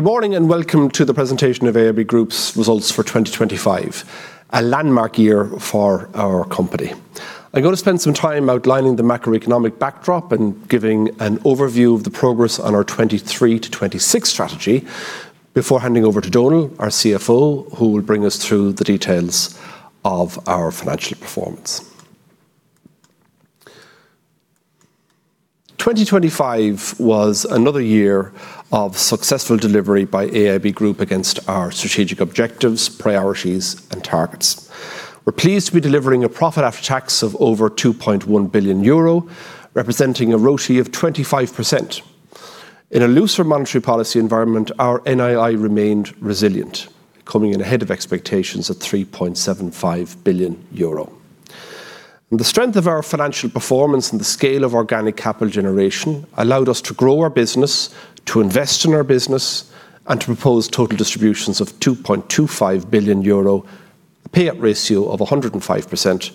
Good morning, and welcome to the presentation of AIB Group's results for 2025, a landmark year for our company. I'm gonna spend some time outlining the macroeconomic backdrop and giving an overview of the progress on our 2023-2026 strategy before handing over to Donal, our CFO, who will bring us through the details of our financial performance. 2025 was another year of successful delivery by AIB Group against our strategic objectives, priorities, and targets. We're pleased to be delivering a profit after tax of over 2.1 billion euro, representing a ROTE of 25%. In a looser monetary policy environment, our NII remained resilient, coming in ahead of expectations at EUR 3.75 billion. The strength of our financial performance and the scale of organic capital generation allowed us to grow our business, to invest in our business, and to propose total distributions of 2.25 billion euro, a payout ratio of 105%,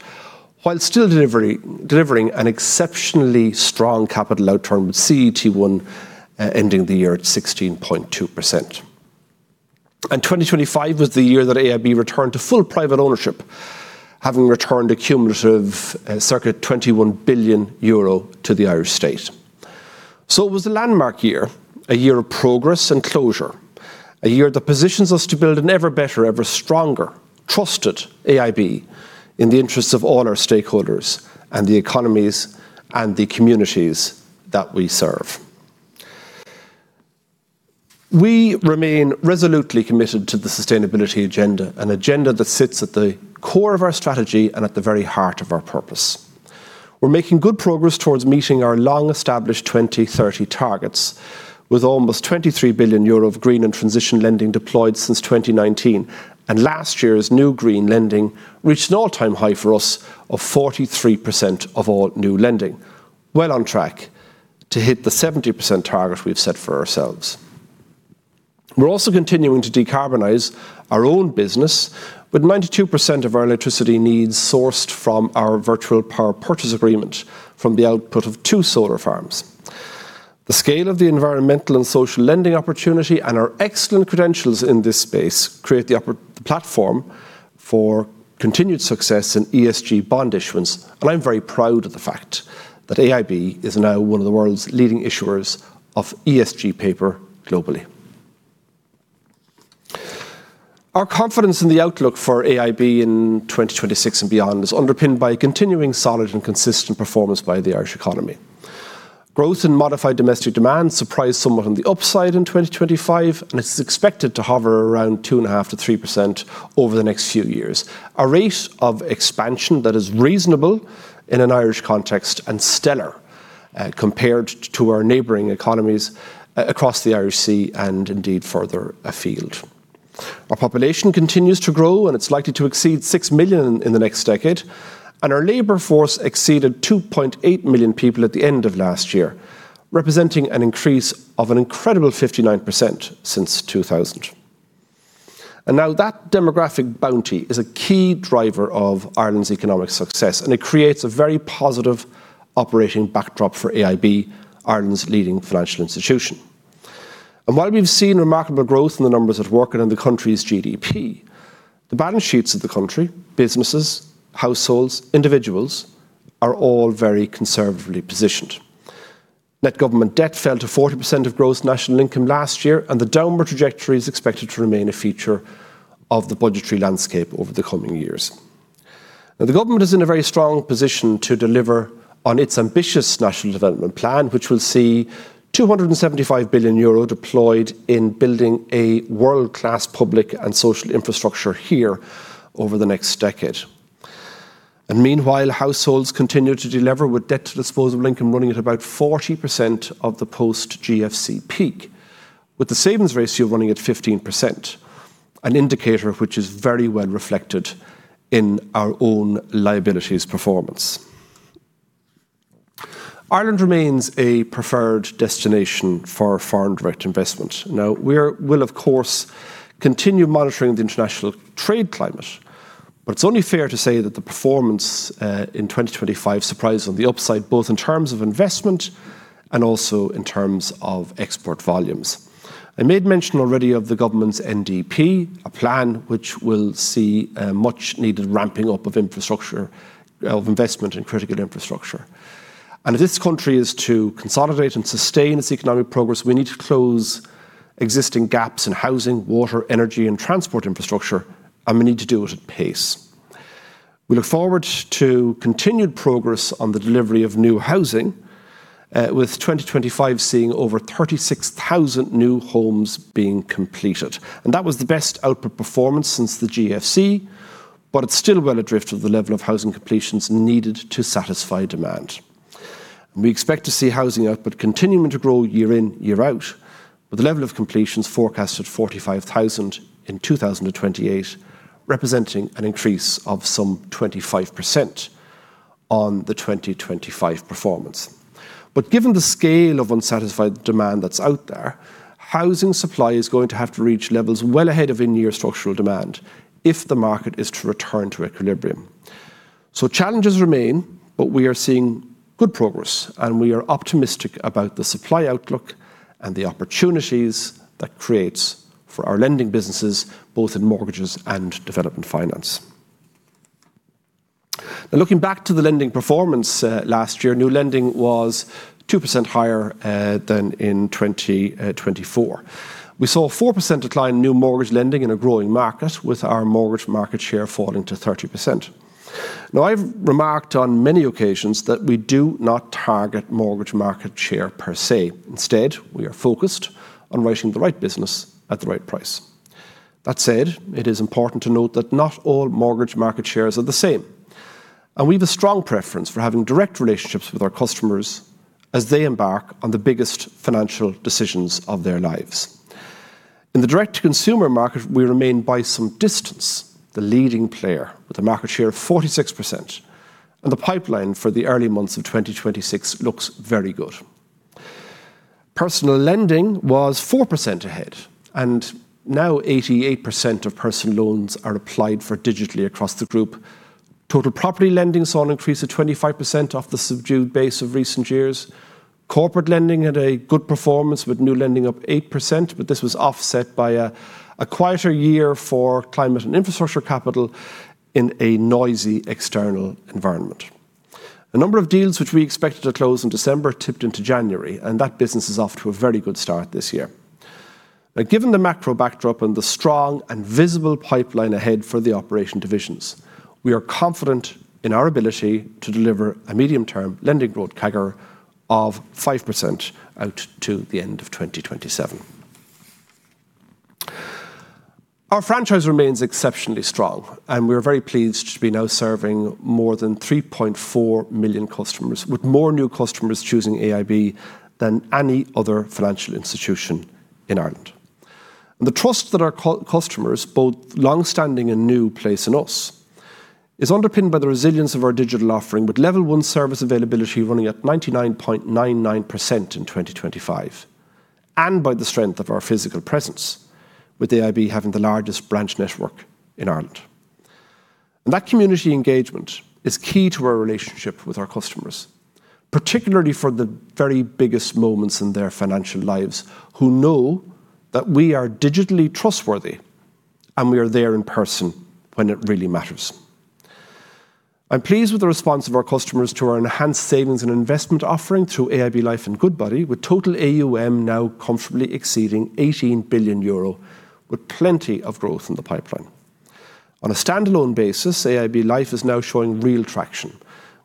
while still delivering an exceptionally strong capital outturn with CET1 ending the year at 16.2%. 2025 was the year that AIB returned to full private ownership, having returned a cumulative circa 21 billion euro to the Irish state. It was a landmark year, a year of progress and closure, a year that positions us to build an ever better, ever stronger, trusted AIB in the interests of all our stakeholders and the economies and the communities that we serve. We remain resolutely committed to the sustainability agenda, an agenda that sits at the core of our strategy and at the very heart of our purpose. We're making good progress towards meeting our long-established 2030 targets, with almost 23 billion euro of green and transition lending deployed since 2019. Last year's new green lending reached an all-time high for us of 43% of all new lending, well on track to hit the 70% target we've set for ourselves. We're also continuing to decarbonize our own business, with 92% of our electricity needs sourced from our virtual power purchase agreement from the output of two solar farms. The scale of the environmental and social lending opportunity and our excellent credentials in this space create the platform for continued success in ESG bond issuance. I'm very proud of the fact that AIB is now one of the world's leading issuers of ESG paper globally. Our confidence in the outlook for AIB in 2026 and beyond is underpinned by a continuing solid and consistent performance by the Irish economy. Growth in Modified Domestic Demand surprised somewhat on the upside in 2025. It is expected to hover around 2.5%-3% over the next few years, a rate of expansion that is reasonable in an Irish context and stellar compared to our neighboring economies across the Irish Sea and indeed further afield. Our population continues to grow, it's likely to exceed 6 million in the next decade, our labor force exceeded 2.8 million people at the end of last year, representing an increase of an incredible 59% since 2000. Now that demographic bounty is a key driver of Ireland's economic success, it creates a very positive operating backdrop for AIB, Ireland's leading financial institution. While we've seen remarkable growth in the numbers at work and in the country's GDP, the balance sheets of the country, businesses, households, individuals, are all very conservatively positioned. Net government debt fell to 40% of gross national income last year, the downward trajectory is expected to remain a feature of the budgetary landscape over the coming years. Now the government is in a very strong position to deliver on its ambitious National Development Plan, which will see 275 billion euro deployed in building a world-class public and social infrastructure here over the next decade. Meanwhile, households continue to delever with debt to disposable income running at about 40% of the post-GFC peak, with the savings ratio running at 15%, an indicator which is very well reflected in our own liabilities performance. Ireland remains a preferred destination for foreign direct investment. We'll of course continue monitoring the international trade climate, but it's only fair to say that the performance in 2025 surprised on the upside, both in terms of investment and also in terms of export volumes. I made mention already of the government's NDP, a plan which will see a much-needed ramping up of infrastructure, of investment in critical infrastructure. If this country is to consolidate and sustain its economic progress, we need to close existing gaps in housing, water, energy, and transport infrastructure, and we need to do it at pace. We look forward to continued progress on the delivery of new housing, with 2025 seeing over 36,000 new homes being completed. That was the best output performance since the GFC, but it's still well adrift of the level of housing completions needed to satisfy demand. We expect to see housing output continuing to grow year in, year out, with the level of completions forecast at 45,000 in 2028, representing an increase of some 25% on the 2025 performance. Given the scale of unsatisfied demand that's out there, housing supply is going to have to reach levels well ahead of in-year structural demand if the market is to return to equilibrium. Challenges remain, but we are seeing good progress, and we are optimistic about the supply outlook and the opportunities that creates for our lending businesses, both in mortgages and development finance. Looking back to the lending performance last year, new lending was 2% higher than in 2024. We saw a 4% decline in new mortgage lending in a growing market with our mortgage market share falling to 30%. I've remarked on many occasions that we do not target mortgage market share per se. Instead, we are focused on writing the right business at the right price. That said, it is important to note that not all mortgage market shares are the same, and we've a strong preference for having direct relationships with our customers as they embark on the biggest financial decisions of their lives. In the direct-to-consumer market, we remain by some distance the leading player with a market share of 46%. The pipeline for the early months of 2026 looks very good. Personal lending was 4% ahead. Now 88% of personal loans are applied for digitally across the group. Total property lending saw an increase of 25% off the subdued base of recent years. Corporate lending had a good performance with new lending up 8%. This was offset by a quieter year for climate and infrastructure capital in a noisy external environment. A number of deals which we expected to close in December tipped into January, and that business is off to a very good start this year. Now given the macro backdrop and the strong and visible pipeline ahead for the operation divisions, we are confident in our ability to deliver a medium-term lending growth CAGR of 5% out to the end of 2027. Our franchise remains exceptionally strong, and we are very pleased to be now serving more than 3.4 million customers, with more new customers choosing AIB than any other financial institution in Ireland. The trust that our customers, both long-standing and new, place in us is underpinned by the resilience of our digital offering with level one service availability running at 99.99% in 2025 and by the strength of our physical presence with AIB having the largest branch network in Ireland. That community engagement is key to our relationship with our customers, particularly for the very biggest moments in their financial lives, who know that we are digitally trustworthy, and we are there in person when it really matters. I'm pleased with the response of our customers to our enhanced savings and investment offering through AIB Life and Goodbody, with total AUM now comfortably exceeding EUR 18 billion with plenty of growth in the pipeline. On a standalone basis, AIB Life is now showing real traction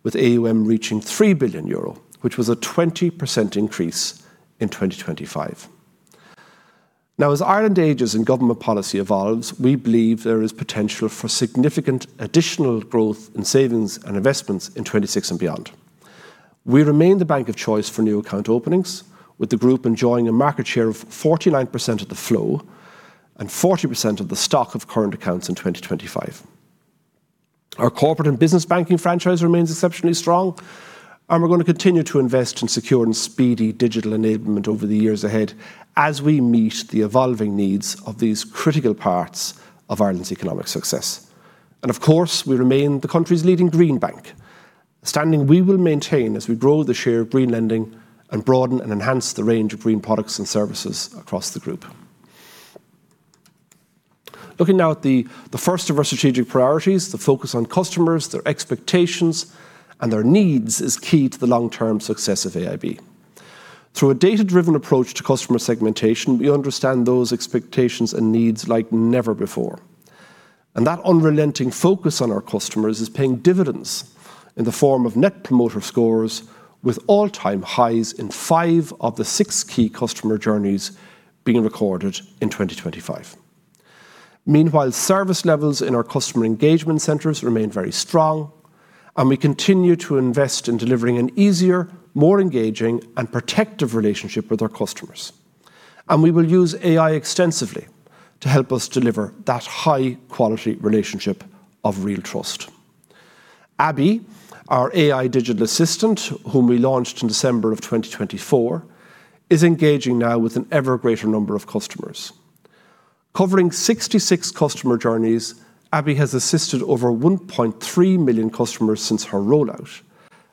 with AUM reaching 3 billion euro, which was a 20% increase in 2025. As Ireland ages and government policy evolves, we believe there is potential for significant additional growth in savings and investments in 2026 and beyond. We remain the bank of choice for new account openings, with the group enjoying a market share of 49% of the flow and 40% of the stock of current accounts in 2025. Our corporate and business banking franchise remains exceptionally strong, we're gonna continue to invest in secure and speedy digital enablement over the years ahead as we meet the evolving needs of these critical parts of Ireland's economic success. Of course, we remain the country's leading Green Bank, a standing we will maintain as we grow the share of green lending and broaden and enhance the range of green products and services across the group. Looking now at the first of our strategic priorities, the focus on customers, their expectations, and their needs is key to the long-term success of AIB. Through a data-driven approach to customer segmentation, we understand those expectations and needs like never before, and that unrelenting focus on our customers is paying dividends in the form of Net Promoter Scores with all-time highs in five of the six key customer journeys being recorded in 2025. Meanwhile, service levels in our customer engagement centers remain very strong. We continue to invest in delivering an easier, more engaging, and protective relationship with our customers. We will use AI extensively to help us deliver that high-quality relationship of real trust. Abby, our AI digital assistant, whom we launched in December 2024, is engaging now with an ever greater number of customers. Covering 66 customer journeys, Abby has assisted over 1.3 million customers since her rollout.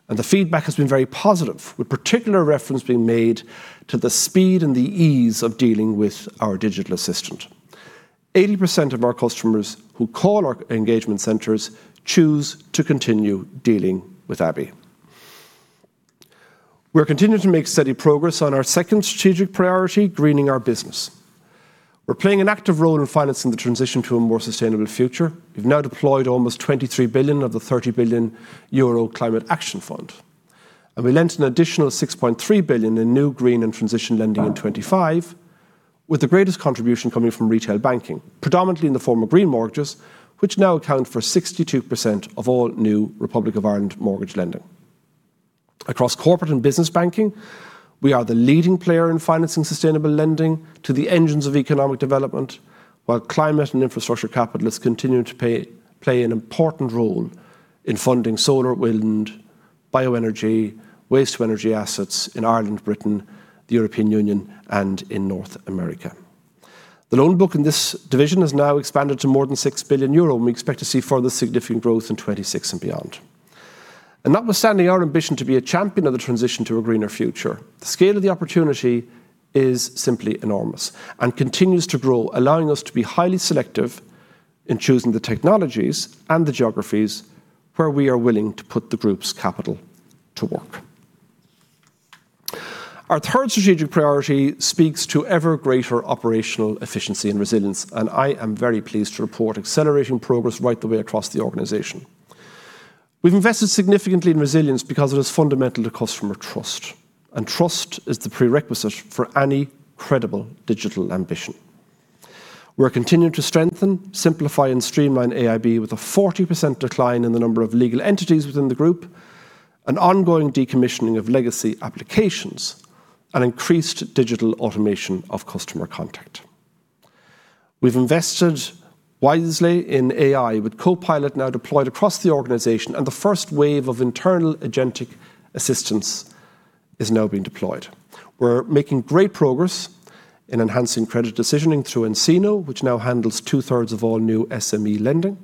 The feedback has been very positive, with particular reference being made to the speed and the ease of dealing with our digital assistant. 80% of our customers who call our engagement centers choose to continue dealing with Abby. We're continuing to make steady progress on our second strategic priority, greening our business. We're playing an active role in financing the transition to a more sustainable future. We've now deployed almost 23 billion of the 30 billion euro Climate Action Fund, and we lent an additional 6.3 billion in new green and transition lending in 2025, with the greatest contribution coming from retail banking, predominantly in the form of green mortgages, which now account for 62% of all new Republic of Ireland mortgage lending. Across corporate and business banking, we are the leading player in financing sustainable lending to the engines of economic development, while climate and infrastructure capital continue to play an important role in funding solar, wind, bioenergy, waste-to-energy assets in Ireland, Britain, the European Union, and in North America. The loan book in this division has now expanded to more than 6 billion euro, and we expect to see further significant growth in 2026 and beyond. Notwithstanding our ambition to be a champion of the transition to a greener future, the scale of the opportunity is simply enormous and continues to grow, allowing us to be highly selective in choosing the technologies and the geographies where we are willing to put the group's capital to work. Our third strategic priority speaks to ever-greater operational efficiency and resilience, I am very pleased to report accelerating progress right the way across the organization. We've invested significantly in resilience because it is fundamental to customer trust, and trust is the prerequisite for any credible digital ambition. We're continuing to strengthen, simplify, and streamline AIB with a 40% decline in the number of legal entities within the group, an ongoing decommissioning of legacy applications, and increased digital automation of customer contact. We've invested wisely in AI with Copilot now deployed across the organization, and the first wave of internal agentic assistants is now being deployed. We're making great progress in enhancing credit decisioning through nCino, which now handles two-thirds of all new SME lending.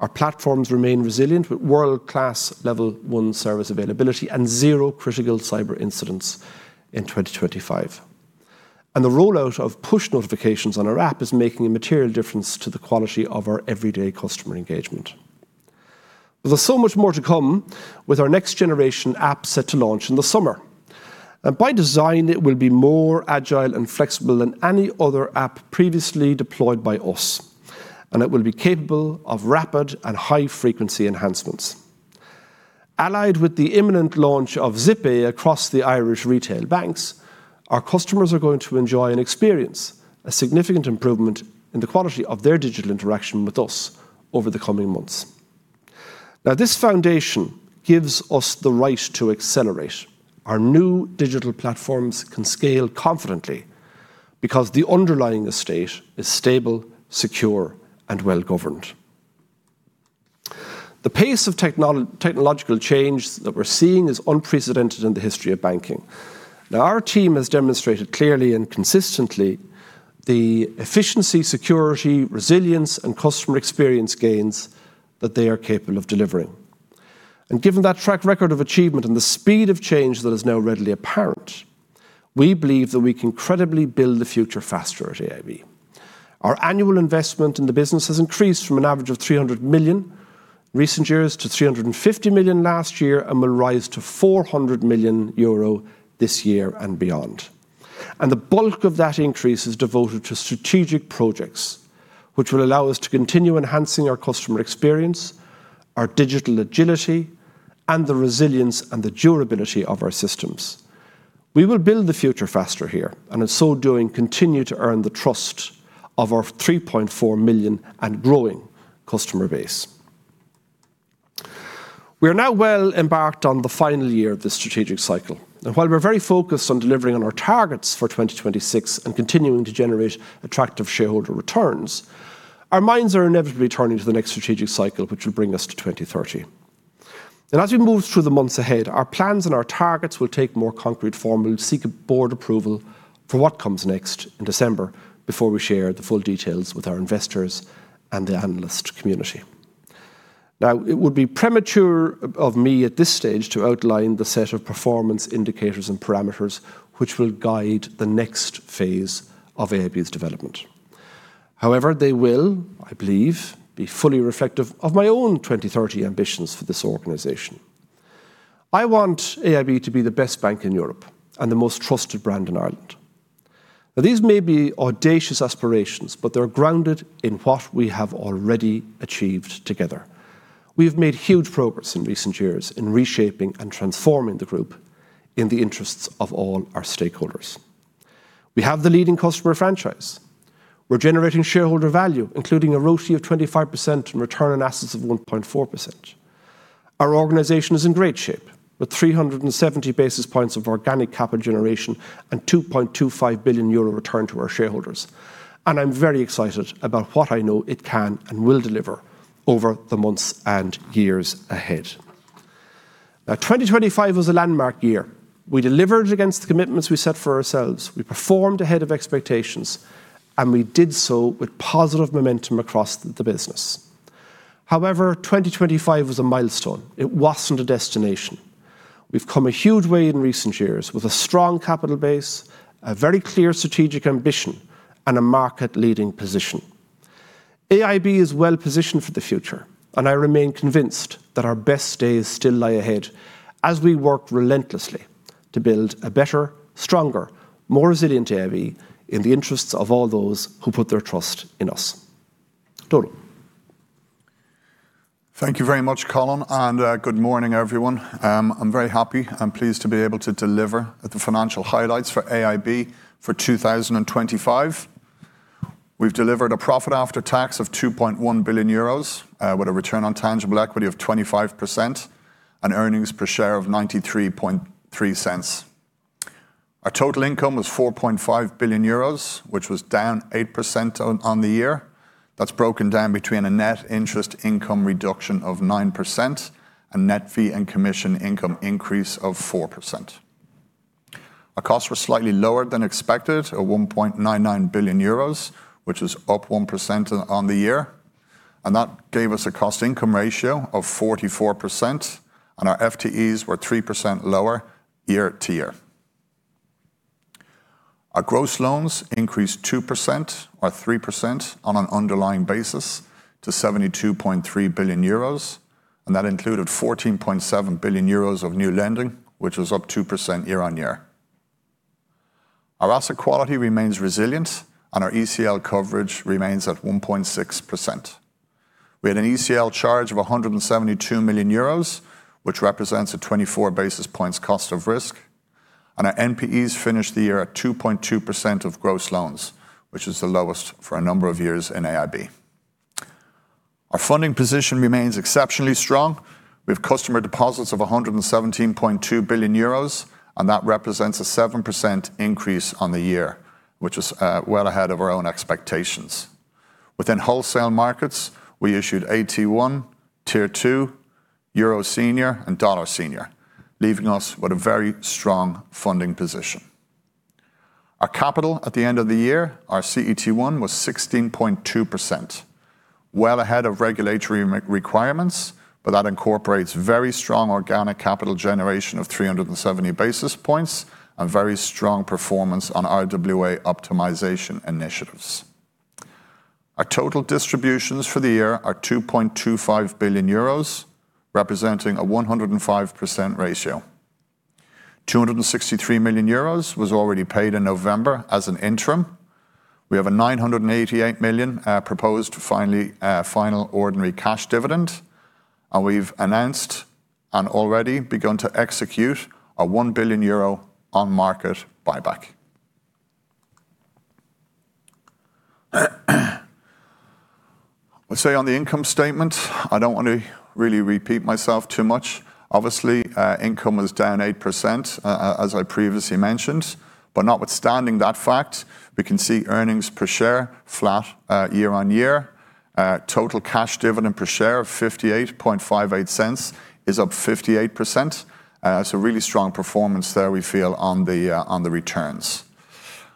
Our platforms remain resilient with world-class Level 1 service availability and zero critical cyber incidents in 2025. The rollout of push notifications on our app is making a material difference to the quality of our everyday customer engagement. There's so much more to come with our next-generation app set to launch in the summer. By design, it will be more agile and flexible than any other app previously deployed by us, and it will be capable of rapid and high-frequency enhancements. Allied with the imminent launch of Zippay across the Irish retail banks, our customers are going to enjoy and experience a significant improvement in the quality of their digital interaction with us over the coming months. Now, this foundation gives us the right to accelerate. Our new digital platforms can scale confidently because the underlying estate is stable, secure, and well-governed. The pace of technological change that we're seeing is unprecedented in the history of banking. Now, our team has demonstrated clearly and consistently the efficiency, security, resilience, and customer experience gains that they are capable of delivering. Given that track record of achievement and the speed of change that is now readily apparent, we believe that we can credibly build the future faster at AIB. Our annual investment in the business has increased from an average of 300 million recent years to 350 million last year and will rise to 400 million euro this year and beyond. The bulk of that increase is devoted to strategic projects, which will allow us to continue enhancing our customer experience, our digital agility, and the resilience and the durability of our systems. We will build the future faster here, in so doing, continue to earn the trust of our 3.4 million and growing customer base. We are now well embarked on the final year of this strategic cycle. While we're very focused on delivering on our targets for 2026 and continuing to generate attractive shareholder returns, our minds are inevitably turning to the next strategic cycle, which will bring us to 2030. As we move through the months ahead, our plans and our targets will take more concrete form. We'll seek a board approval for what comes next in December before we share the full details with our investors and the analyst community. It would be premature of me at this stage to outline the set of performance indicators and parameters which will guide the next phase of AIB's development. They will, I believe, be fully reflective of my own 2030 ambitions for this organization. I want AIB to be the best bank in Europe and the most trusted brand in Ireland. These may be audacious aspirations, but they're grounded in what we have already achieved together. We've made huge progress in recent years in reshaping and transforming the group in the interests of all our stakeholders. We have the leading customer franchise. We're generating shareholder value, including a ROTCE of 25% and return on assets of 1.4%. Our organization is in great shape with 370 basis points of organic capital generation and 2.25 billion euro return to our shareholders. I'm very excited about what I know it can and will deliver over the months and years ahead. 2025 was a landmark year. We delivered against the commitments we set for ourselves. We performed ahead of expectations, we did so with positive momentum across the business. 2025 was a milestone. It wasn't a destination. We've come a huge way in recent years with a strong capital base, a very clear strategic ambition, and a market-leading position. AIB is well-positioned for the future, and I remain convinced that our best days still lie ahead as we work relentlessly to build a better, stronger, more resilient AIB in the interests of all those who put their trust in us. Donal. Thank you very much, Colin, and good morning, everyone. I'm very happy and pleased to be able to deliver at the financial highlights for AIB for 2025. We've delivered a profit after tax of 2.1 billion euros, with a return on tangible equity of 25% and earnings per share of 0.933. Our total income was 4.5 billion euros, which was down 8% on the year. That's broken down between a net interest income reduction of 9% and net fee and commission income increase of 4%. Our costs were slightly lower than expected at 1.99 billion euros, which is up 1% on the year, and that gave us a cost income ratio of 44%, and our FTEs were 3% lower year-to-year. Our gross loans increased 2%, or 3% on an underlying basis, to 72.3 billion euros. That included 14.7 billion euros of new lending, which was up 2% year-on-year. Our asset quality remains resilient. Our ECL coverage remains at 1.6%. We had an ECL charge of 172 million euros, which represents a 24 basis points cost of risk. Our NPEs finished the year at 2.2% of gross loans, which is the lowest for a number of years in AIB. Our funding position remains exceptionally strong. We have customer deposits of 117.2 billion euros. That represents a 7% increase on the year, which is well ahead of our own expectations. Within wholesale markets, we issued AT1, Tier 2, Euro Senior, and Dollar Senior, leaving us with a very strong funding position. Our capital at the end of the year, our CET1 was 16.2%, well ahead of regulatory re-requirements, but that incorporates very strong organic capital generation of 370 basis points and very strong performance on RWA optimization initiatives. Our total distributions for the year are 2.25 billion euros, representing a 105% ratio. 263 million euros was already paid in November as an interim. We have a 988 million proposed finally, final ordinary cash dividend, and we've announced and already begun to execute a 1 billion euro on-market buyback. I'd say on the income statement, I don't want to really repeat myself too much. Income was down 8%, as I previously mentioned. Notwithstanding that fact, we can see earnings per share flat year-on-year. Total cash dividend per share of 0.5858 is up 58%. Really strong performance there we feel on the returns.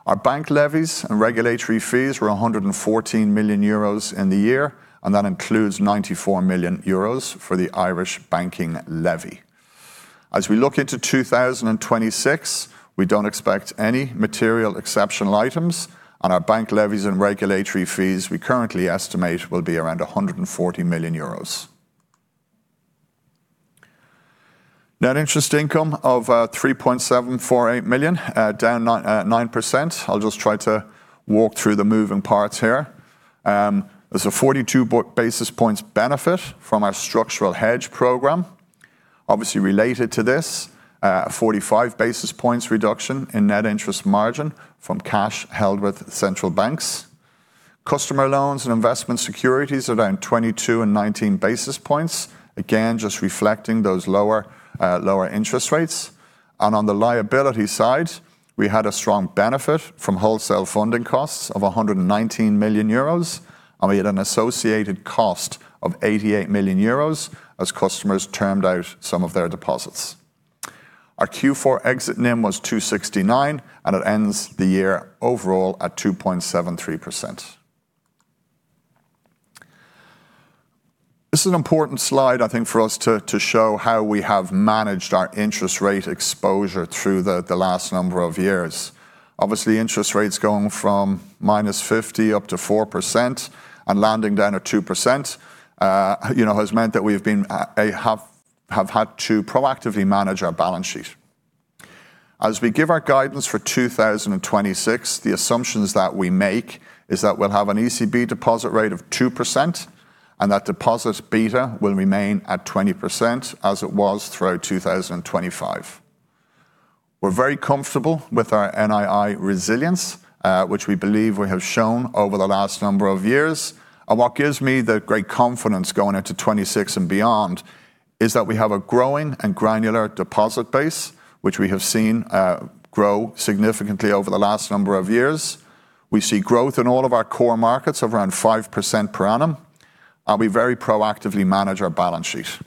Our bank levies and regulatory fees were 114 million euros in the year, and that includes 94 million euros for the Irish banking levy. As we look into 2026, we don't expect any material exceptional items. On our bank levies and regulatory fees, we currently estimate will be around 140 million euros. Net interest income of 3.748 million, down 9%. I'll just try to walk through the moving parts here. There's a 42 basis points benefit from our structural hedge program. Obviously related to this, a 45 basis points reduction in net interest margin from cash held with central banks. Customer loans and investment securities around 22 and 19 basis points, again, just reflecting those lower interest rates. On the liability side, we had a strong benefit from wholesale funding costs of 119 million euros, and we had an associated cost of 88 million euros as customers termed out some of their deposits. Our Q4 exit NIM was 2.69%, and it ends the year overall at 2.73%. This is an important slide, I think, for us to show how we have managed our interest rate exposure through the last number of years. Obviously, interest rates going from -50 up to 4% and landing down at 2%, you know, has meant that we have had to proactively manage our balance sheet. As we give our guidance for 2026, the assumptions that we make is that we'll have an ECB deposit rate of 2%, and that deposit beta will remain at 20% as it was throughout 2025. We're very comfortable with our NII resilience, which we believe we have shown over the last number of years. What gives me the great confidence going into 26 and beyond is that we have a growing and granular deposit base, which we have seen grow significantly over the last number of years. We see growth in all of our core markets of around 5% per annum. We very proactively manage our balance sheet.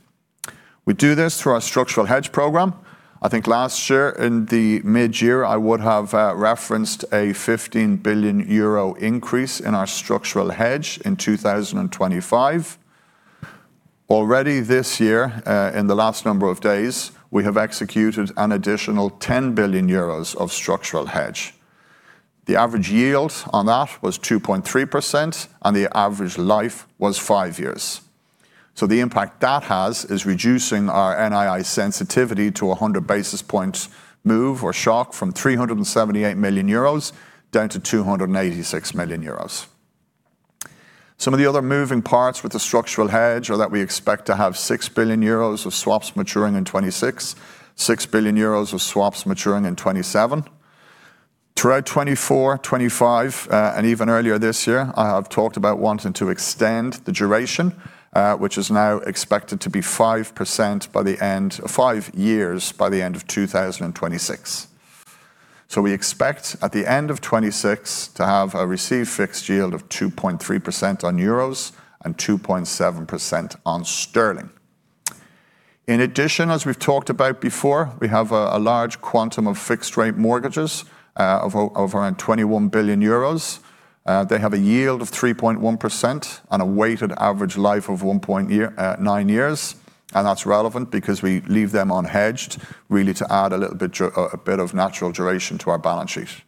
We do this through our structural hedge program. I think last year in the midyear, I would have referenced a 15 billion euro increase in our structural hedge in 2025. Already this year, in the last number of days, we have executed an additional 10 billion euros of structural hedge. The average yield on that was 2.3%. The average life was five years. The impact that has is reducing our NII sensitivity to a 100 basis points move or shock from 378 million euros down to 286 million euros. Some of the other moving parts with the structural hedge are that we expect to have 6 billion euros of swaps maturing in 2026, 6 billion euros of swaps maturing in 2027. Throughout 2024, 2025, and even earlier this year, I have talked about wanting to extend the duration, which is now expected to be five years by the end of 2026. We expect at the end of 2026 to have a received fixed yield of 2.3% on euros and 2.7% on sterling. In addition, as we've talked about before, we have a large quantum of fixed-rate mortgages of around 21 billion euros. They have a yield of 3.1% on a weighted average life of 1.9 years, and that's relevant because we leave them unhedged really to add a little bit of natural duration to our balance sheet.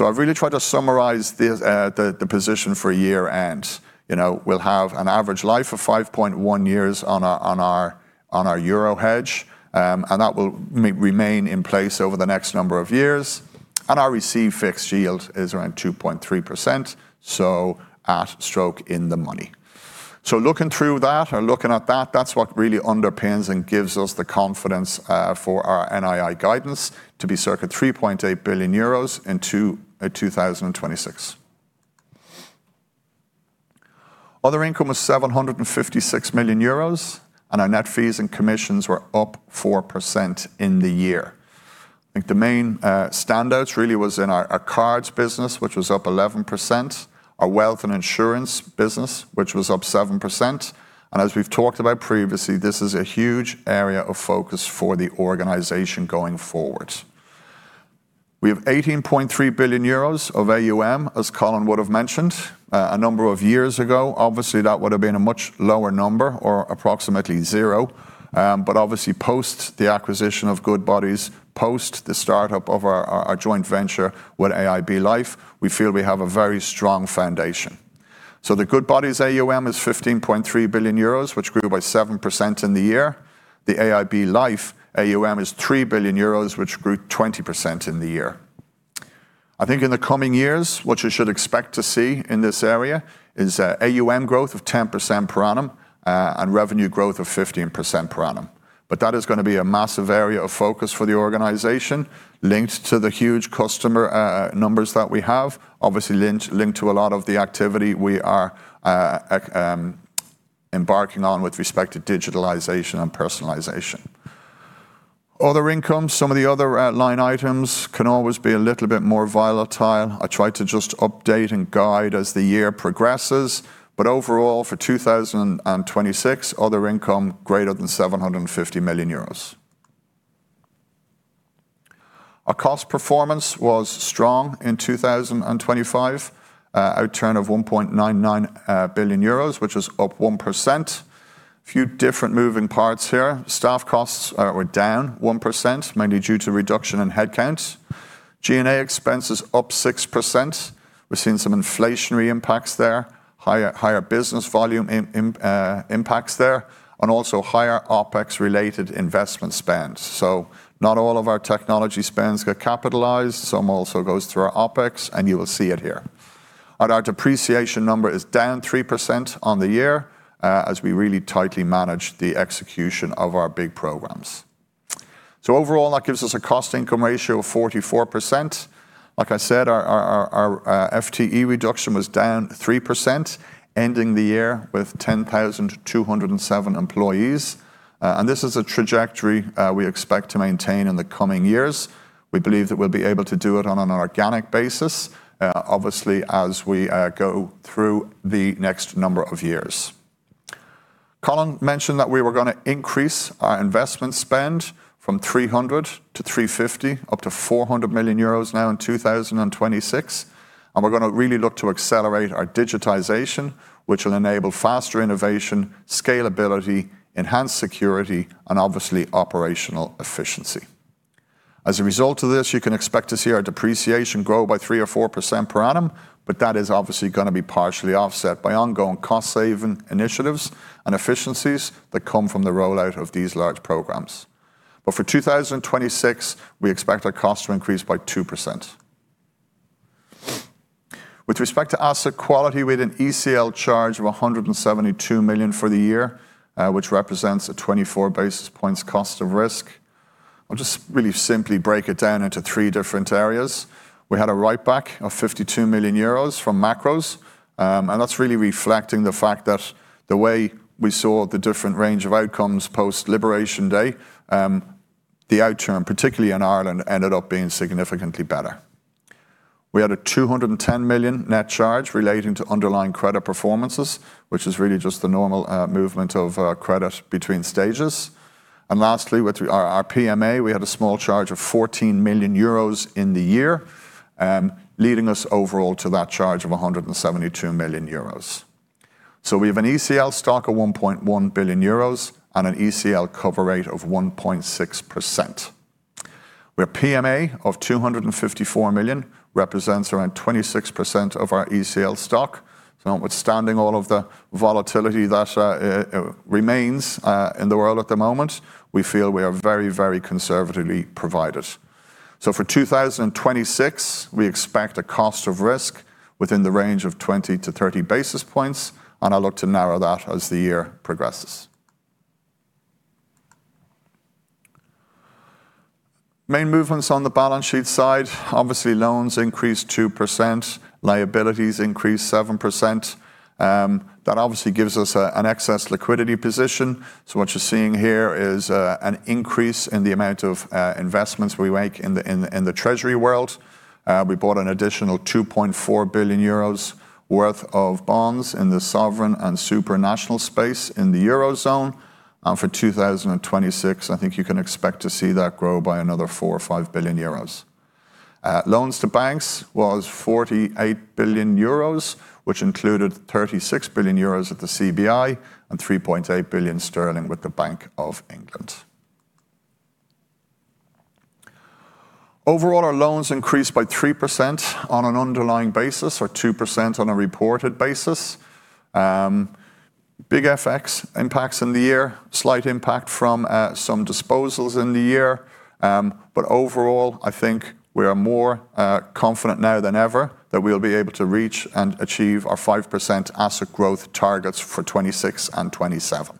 I've really tried to summarize this, the position for year-end. You know, we'll have an average life of 5.1 years on our euro hedge, and that will remain in place over the next number of years. Our received fixed yield is around 2.3%, so at stroke in the money. Looking through that or looking at that's what really underpins and gives us the confidence for our NII guidance to be circa 3.8 billion euros in 2026. Other income was 756 million euros, and our net fees and commissions were up 4% in the year. I think the main standouts really was in our cards business, which was up 11%, our wealth and insurance business, which was up 7%, and as we've talked about previously, this is a huge area of focus for the organization going forward. We have 18.3 billion euros of AUM, as Colin would have mentioned. A number of years ago, obviously that would have been a much lower number or approximately zero, but obviously post the acquisition of Goodbody, post the start-up of our joint venture with AIB Life, we feel we have a very strong foundation. The Goodbody AUM is 15.3 billion euros, which grew by 7% in the year. The AIB Life AUM is 3 billion euros, which grew 20% in the year. I think in the coming years, what you should expect to see in this area is AUM growth of 10% per annum, and revenue growth of 15% per annum. That is gonna be a massive area of focus for the organization linked to the huge customer numbers that we have, obviously linked to a lot of the activity we are embarking on with respect to digitalization and personalization. Other income, some of the other line items can always be a little bit more volatile. I try to just update and guide as the year progresses, but overall, for 2026, other income greater than 750 million euros. Our cost performance was strong in 2025. Outturn of 1.99 billion euros, which was up 1%. A few different moving parts here. Staff costs were down 1%, mainly due to reduction in headcount. G&A expenses up 6%. We're seeing some inflationary impacts there, higher business volume impacts there, and also higher OpEx-related investment spend. Not all of our technology spends get capitalized. Some also goes through our OpEx, and you will see it here. Our depreciation number is down 3% on the year as we really tightly manage the execution of our big programs. Overall, that gives us a cost-income ratio of 44%. Like I said, our FTE reduction was down 3%, ending the year with 10,207 employees. This is a trajectory we expect to maintain in the coming years. We believe that we'll be able to do it on an organic basis, obviously, as we go through the next number of years. Colin mentioned that we were gonna increase our investment spend from 300 million to 350 million, up to 400 million euros now in 2026. We're gonna really look to accelerate our digitization, which will enable faster innovation, scalability, enhanced security, and obviously operational efficiency. As a result of this, you can expect to see our depreciation grow by 3% or 4% per annum. That is obviously gonna be partially offset by ongoing cost-saving initiatives and efficiencies that come from the rollout of these large programs. For 2026, we expect our cost to increase by 2%. With respect to asset quality, we had an ECL charge of 172 million for the year, which represents a 24 basis points cost of risk. I'll just really simply break it down into three different areas. We had a write-back of 52 million euros from macros, and that's really reflecting the fact that the way we saw the different range of outcomes post Liberation Day, the outturn, particularly in Ireland, ended up being significantly better. We had a 210 million net charge relating to underlying credit performances, which is really just the normal movement of credit between stages. Lastly, with our PMA, we had a small charge of 14 million euros in the year, leading us overall to that charge of 172 million euros. We have an ECL stock of 1.1 billion euros and an ECL cover rate of 1.6%. We have PMA of 254 million, represents around 26% of our ECL stock. Notwithstanding all of the volatility that remains in the world at the moment, we feel we are very, very conservatively provided. For 2026, we expect a cost of risk within the range of 20-30 basis points, and I'll look to narrow that as the year progresses. Main movements on the balance sheet side, obviously loans increased 2%, liabilities increased 7%. That obviously gives us an excess liquidity position. What you're seeing here is an increase in the amount of investments we make in the Treasury world. We bought an additional 2.4 billion euros worth of bonds in the sovereign and supranational space in the Eurozone. For 2026, I think you can expect to see that grow by another 4 billion-5 billion euros. Loans to banks was 48 billion euros, which included 36 billion euros at the CBI and 3.8 billion sterling with the Bank of England. Overall, our loans increased by 3% on an underlying basis, or 2% on a reported basis. Big FX impacts in the year. Slight impact from some disposals in the year. Overall, I think we are more confident now than ever that we'll be able to reach and achieve our 5% asset growth targets for 2026 and 2027.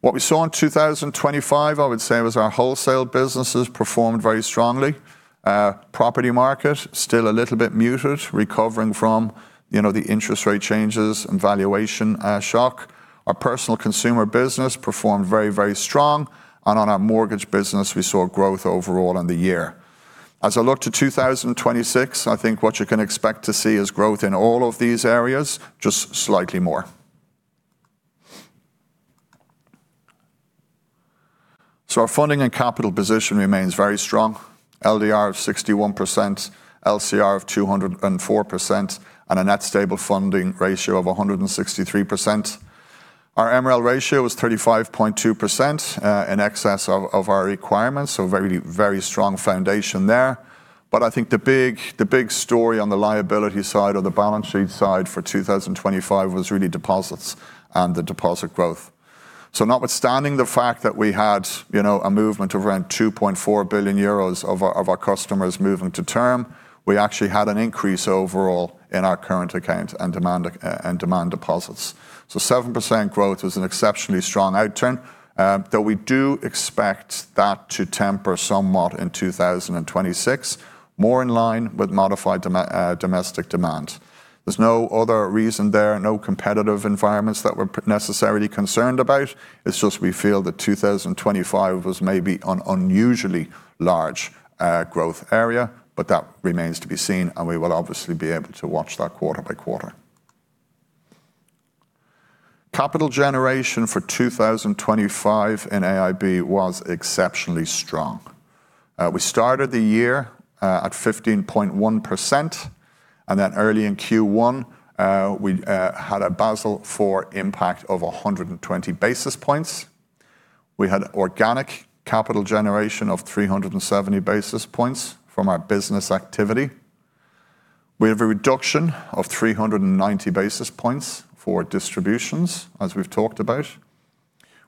What we saw in 2025, I would say, was our wholesale businesses performed very strongly. Property market still a little bit muted, recovering from, you know, the interest rate changes and valuation shock. Our personal consumer business performed very, very strong. On our mortgage business, we saw growth overall in the year. As I look to 2026, I think what you can expect to see is growth in all of these areas, just slightly more. Our funding and capital position remains very strong. LDR of 61%, LCR of 204%, and a Net Stable Funding Ratio of 163%. Our MREL ratio is 35.2% in excess of our requirements, so very, very strong foundation there. I think the big story on the liability side or the balance sheet side for 2025 was really deposits and the deposit growth. Notwithstanding the fact that we had, you know, a movement of around 2.4 billion euros of our customers moving to term, we actually had an increase overall in our current account and demand deposits. 7% growth was an exceptionally strong outturn, though we do expect that to temper somewhat in 2026, more in line with Modified Domestic Demand. There's no other reason there, no competitive environments that we're necessarily concerned about. It's just we feel that 2025 was maybe an unusually large growth area, that remains to be seen, we will obviously be able to watch that quarter by quarter. Capital generation for 2025 in AIB was exceptionally strong. We started the year at 15.1%, then early in Q1 we had a Basel IV impact of 120 basis points. We had organic capital generation of 370 basis points from our business activity. We have a reduction of 390 basis points for distributions, as we've talked about.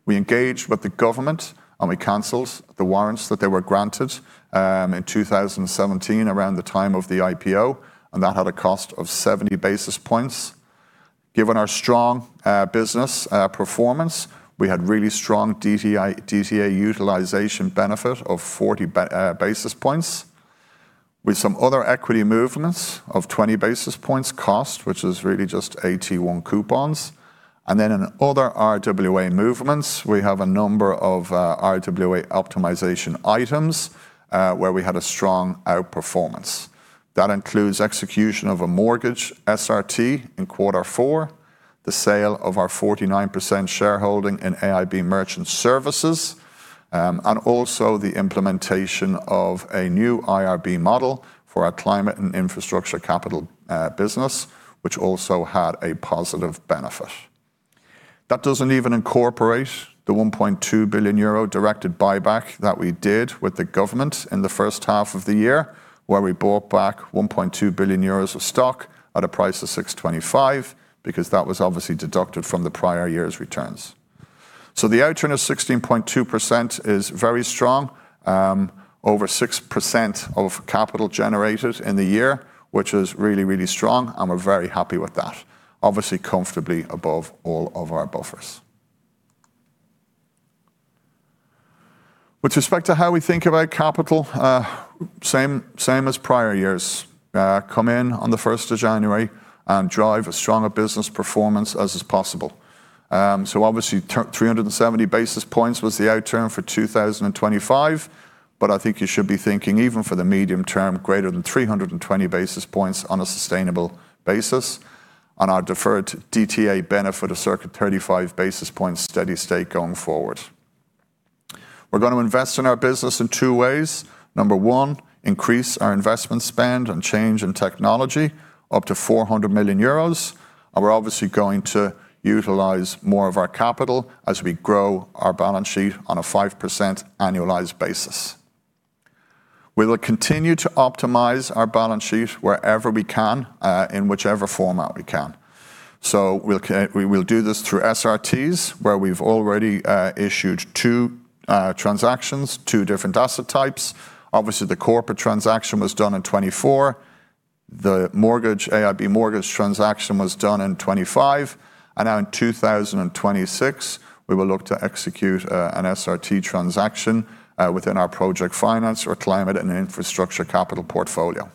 We engaged with the government, we canceled the warrants that they were granted in 2017 around the time of the IPO, that had a cost of 70 basis points. Given our strong business performance, we had really strong DTA utilization benefit of 40 basis points. With some other equity movements of 20 basis points cost, which is really just AT1 coupons. In other RWA movements, we have a number of RWA optimization items where we had a strong outperformance. That includes execution of a mortgage SRT in quarter four, the sale of our 49% shareholding in AIB Merchant Services, and also the implementation of a new IRB model for our climate and infrastructure capital business, which also had a positive benefit. That doesn't even incorporate the 1.2 billion euro directed buyback that we did with the government in the first half of the year, where we bought back 1.2 billion euros of stock at a price of 6.25, because that was obviously deducted from the prior year's returns. The outturn of 16.2% is very strong. over 6% of capital generated in the year, which is really, really strong, and we're very happy with that. Obviously, comfortably above all of our buffers. With respect to how we think about capital, same as prior years. come in on the 1st of January and drive as strong a business performance as is possible. Obviously 370 basis points was the outturn for 2025, but I think you should be thinking even for the medium term, greater than 320 basis points on a sustainable basis on our deferred DTA benefit of circa 35 basis points steady state going forward. We're gonna invest in our business in two ways. Number one, increase our investment spend and change in technology up to 400 million euros, and we're obviously going to utilize more of our capital as we grow our balance sheet on a 5% annualized basis. We will continue to optimize our balance sheet wherever we can, in whichever format we can. We will do this through SRTs, where we've already issued two transactions, two different asset types. Obviously, the corporate transaction was done in 2024. The mortgage, AIB mortgage transaction was done in 2025. Now in 2026 we will look to execute an SRT transaction within our project finance or climate and infrastructure capital portfolio.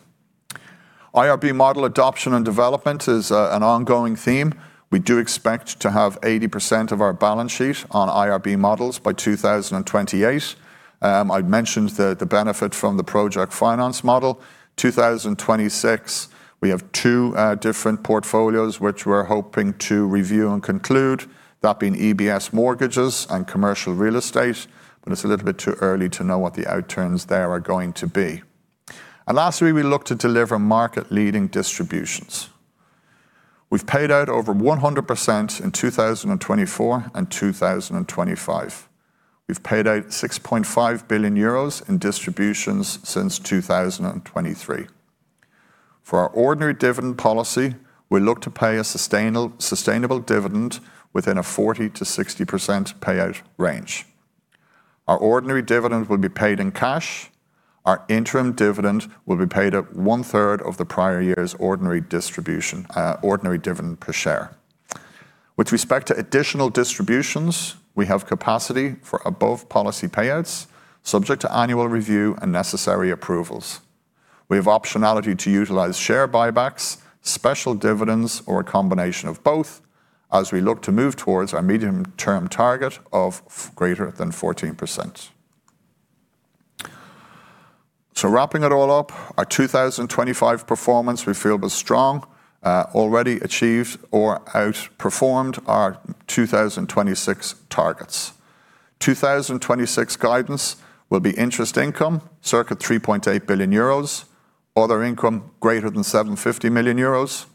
IRB model adoption and development is an ongoing theme. We do expect to have 80% of our balance sheet on IRB models by 2028. I'd mentioned the benefit from the project finance model. 2026, we have two different portfolios which we're hoping to review and conclude, that being EBS mortgages and commercial real estate, but it's a little bit too early to know what the outturns there are going to be. Lastly, we look to deliver market-leading distributions. We've paid out over 100% in 2024 and 2025. We've paid out 6.5 billion euros in distributions since 2023. For our ordinary dividend policy, we look to pay a sustainable dividend within a 40%-60% payout range. Our ordinary dividend will be paid in cash. Our interim dividend will be paid at one-third of the prior year's ordinary distribution, ordinary dividend per share. With respect to additional distributions, we have capacity for above policy payouts, subject to annual review and necessary approvals. We have optionality to utilize share buybacks, special dividends, or a combination of both as we look to move towards our medium-term target of greater than 14%. Wrapping it all up, our 2025 performance we feel was strong, already achieved or outperformed our 2026 targets. 2026 guidance will be interest income, circa 3.8 billion euros. Other income greater than 750 million euros.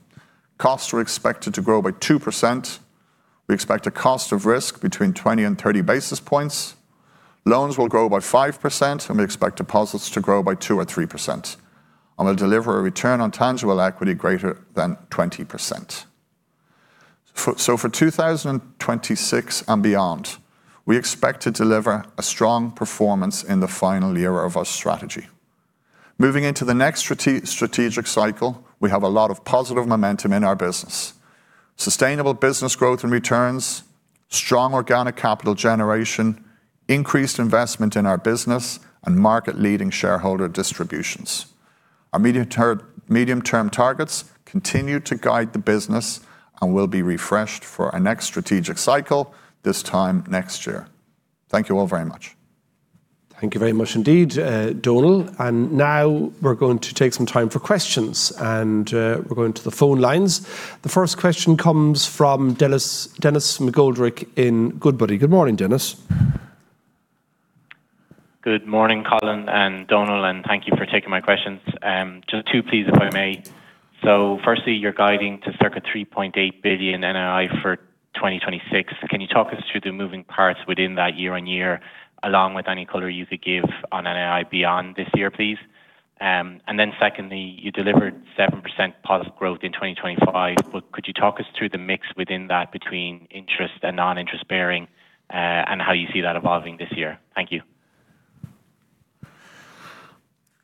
Costs are expected to grow by 2%. We expect a cost of risk between 20 and 30 basis points. Loans will grow by 5%, and we expect deposits to grow by 2% or 3% and will deliver a return on tangible equity greater than 20%. For 2026 and beyond, we expect to deliver a strong performance in the final year of our strategy. Moving into the next strategic cycle, we have a lot of positive momentum in our business. Sustainable business growth and returns, strong organic capital generation, increased investment in our business, and market-leading shareholder distributions. Our medium-term targets continue to guide the business and will be refreshed for our next strategic cycle this time next year. Thank you all very much. Thank you very much indeed, Donal. Now we're going to take some time for questions, and we're going to the phone lines. The first question comes from Denis McGoldrick in Goodbody. Good morning, Denis. Good morning, Colin and Donal, thank you for taking my questions. Just two please, if I may. Firstly, you're guiding to circa 3.8 billion NII for 2026. Can you talk us through the moving parts within that year-over-year, along with any color you could give on NII beyond this year, please? Secondly, you delivered 7% positive growth in 2025. Could you talk us through the mix within that between interest and non-interest bearing, and how you see that evolving this year? Thank you.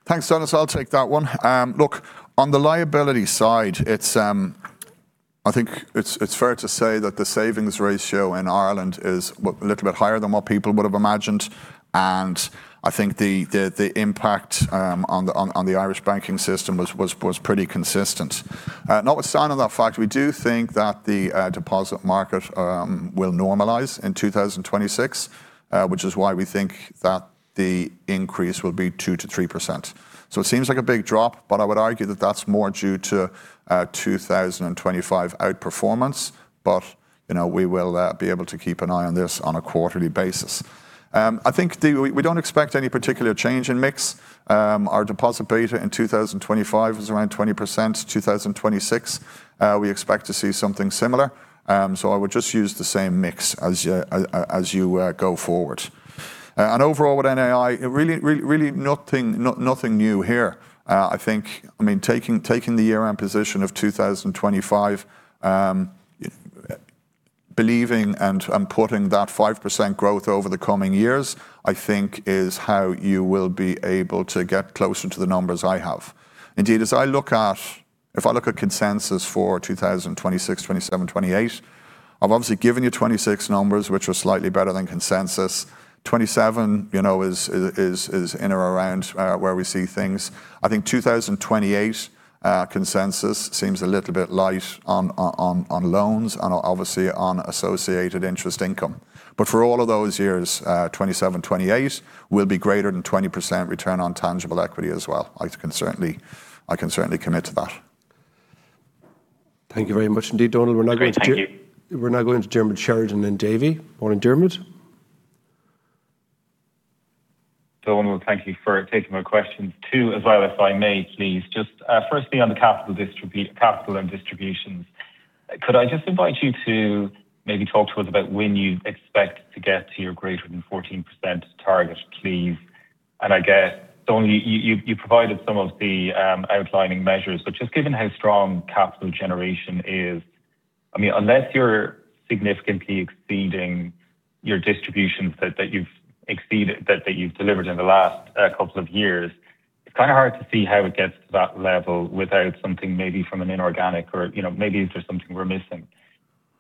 Thanks, Denis. I'll take that one. Look, on the liability side, it's, I think it's fair to say that the savings ratio in Ireland is a little bit higher than what people would have imagined. I think the impact on the Irish banking system was pretty consistent. Notwithstanding that fact, we do think that the deposit market will normalize in 2026, which is why we think that the increase will be 2%-3%. It seems like a big drop, but I would argue that that's more due to 2025 outperformance. You know, we will be able to keep an eye on this on a quarterly basis. I think we don't expect any particular change in mix. Our deposit beta in 2025 is around 20%. 2026, we expect to see something similar. So I would just use the same mix as you go forward. Overall with NII, really nothing new here. I mean, taking the year-end position of 2025, believing and putting that 5% growth over the coming years, I think is how you will be able to get closer to the numbers I have. Indeed, as I look at, if I look at consensus for 2026, 2027, 2028, I've obviously given you 26 numbers, which are slightly better than consensus. 27, you know, is in or around where we see things. I think 2028, consensus seems a little bit light on loans and obviously on associated interest income. For all of those years, 2027, 2028 will be greater than 20% Return on Tangible Equity as well. I can certainly commit to that. Thank you very much indeed, Donal. Great. Thank you. We're now going to Diarmaid Sheridan in Davy. Morning, Diarmaid. Donal, thank you for taking my questions too as well, if I may please. Just firstly on the capital and distributions, could I just invite you to maybe talk to us about when you expect to get to your greater than 14% target, please? I guess, Donal, you, you provided some of the outlining measures, but just given how strong capital generation is, I mean, unless you're significantly exceeding your distributions that you've delivered in the last couple of years, it's kinda hard to see how it gets to that level without something maybe from an inorganic or, you know, maybe is there something we're missing.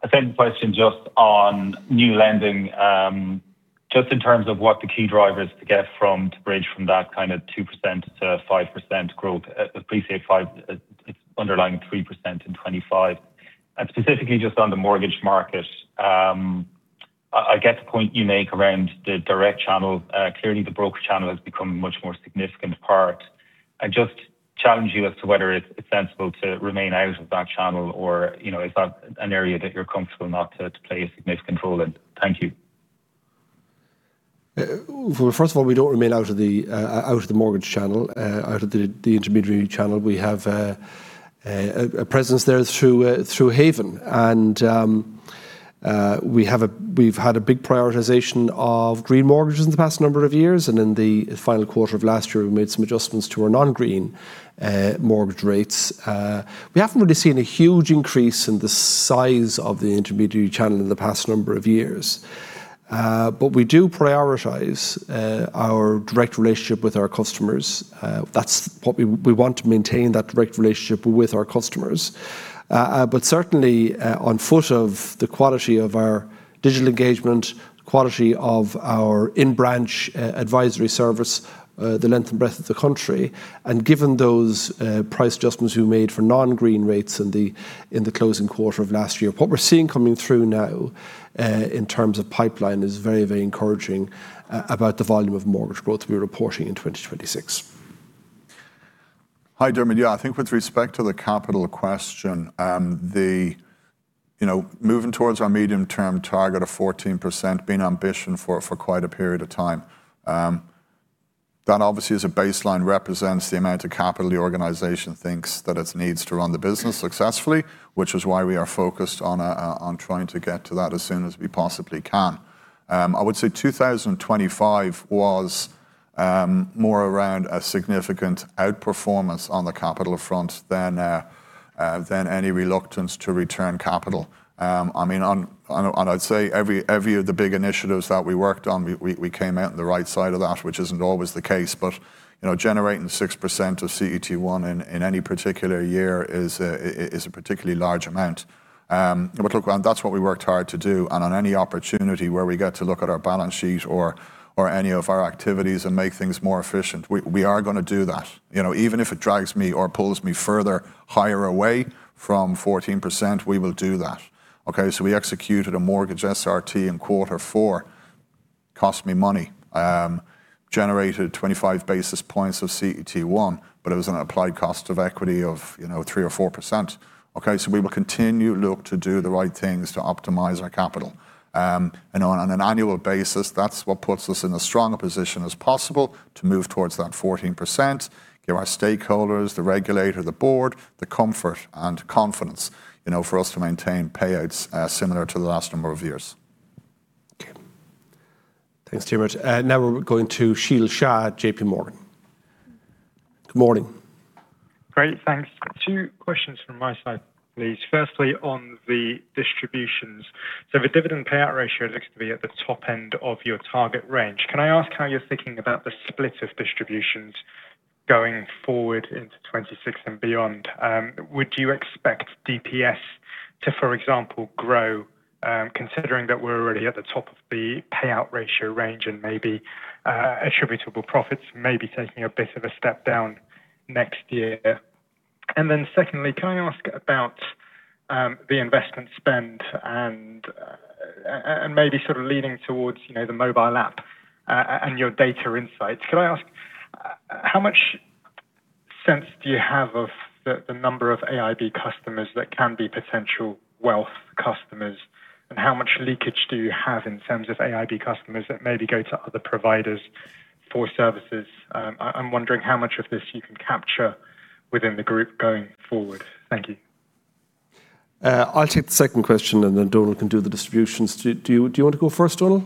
A second question just on new lending, just in terms of what the key drivers to bridge from that kind of 2% to 5% growth, appreciate 5% underlying 3% in 2025. Specifically just on the mortgage market, I get the point you make around the direct channel. Clearly the broker channel has become a much more significant part. I just challenge you as to whether it's sensible to remain out of that channel or, you know, is that an area that you're comfortable not to play a significant role in? Thank you. Well, first of all, we don't remain out of the out of the mortgage channel, out of the the intermediary channel. We have a presence there through Haven and we've had a big prioritization of green mortgages in the past number of years, and in the final quarter of last year, we made some adjustments to our non-green mortgage rates. We haven't really seen a huge increase in the size of the intermediary channel in the past number of years. We do prioritize our direct relationship with our customers. That's what we want to maintain that direct relationship with our customers. Certainly, on foot of the quality of our digital engagement, quality of our in-branch, advisory service, the length and breadth of the country, and given those price adjustments we made for non-green rates in the closing quarter of last year. What we're seeing coming through now, in terms of pipeline is very, very encouraging about the volume of mortgage growth we're reporting in 2026. Hi, Diarmaid. Yeah, I think with respect to the capital question, you know, moving towards our medium-term target of 14%, been ambition for quite a period of time. That obviously as a baseline represents the amount of capital the organization thinks that it needs to run the business successfully, which is why we are focused on trying to get to that as soon as we possibly can. I would say 2025 was more around a significant outperformance on the capital front than any reluctance to return capital. I mean, on, and I'd say every of the big initiatives that we worked on, we came out on the right side of that, which isn't always the case. Generating 6% of CET1 in any particular year is a particularly large amount. That's what we worked hard to do, and on any opportunity where we get to look at our balance sheet or any of our activities and make things more efficient, we are gonna do that. Even if it drags me or pulls me further higher away from 14%, we will do that. Okay? We executed a mortgage SRT in quarter four, cost me money, generated 25 basis points of CET1, but it was an applied cost of equity of 3% or 4%. Okay? We will continue look to do the right things to optimize our capital. On an annual basis, that's what puts us in as strong a position as possible to move towards that 14%, give our stakeholders, the regulator, the board, the comfort and confidence, you know, for us to maintain payouts, similar to the last number of years. Okay. Thanks, Diarmaid. Now we're going to Sheel Shah at JPMorgan. Good morning. Great. Thanks. Two questions from my side, please. Firstly, on the distributions. The dividend payout ratio looks to be at the top end of your target range. Can I ask how you're thinking about the split of distributions going forward into 2026 and beyond? Would you expect DPS to, for example, grow, considering that we're already at the top of the payout ratio range and maybe attributable profits may be taking a bit of a step down next year? Secondly, can I ask about the investment spend and maybe sort of leading towards, you know, the mobile app and your data insights. Could I ask how much sense do you have of the number of AIB customers that can be potential wealth customers, and how much leakage do you have in terms of AIB customers that maybe go to other providers for services? I'm wondering how much of this you can capture within the group going forward. Thank you. I'll take the second question, and then Donal can do the distributions. Do you want to go first, Donal?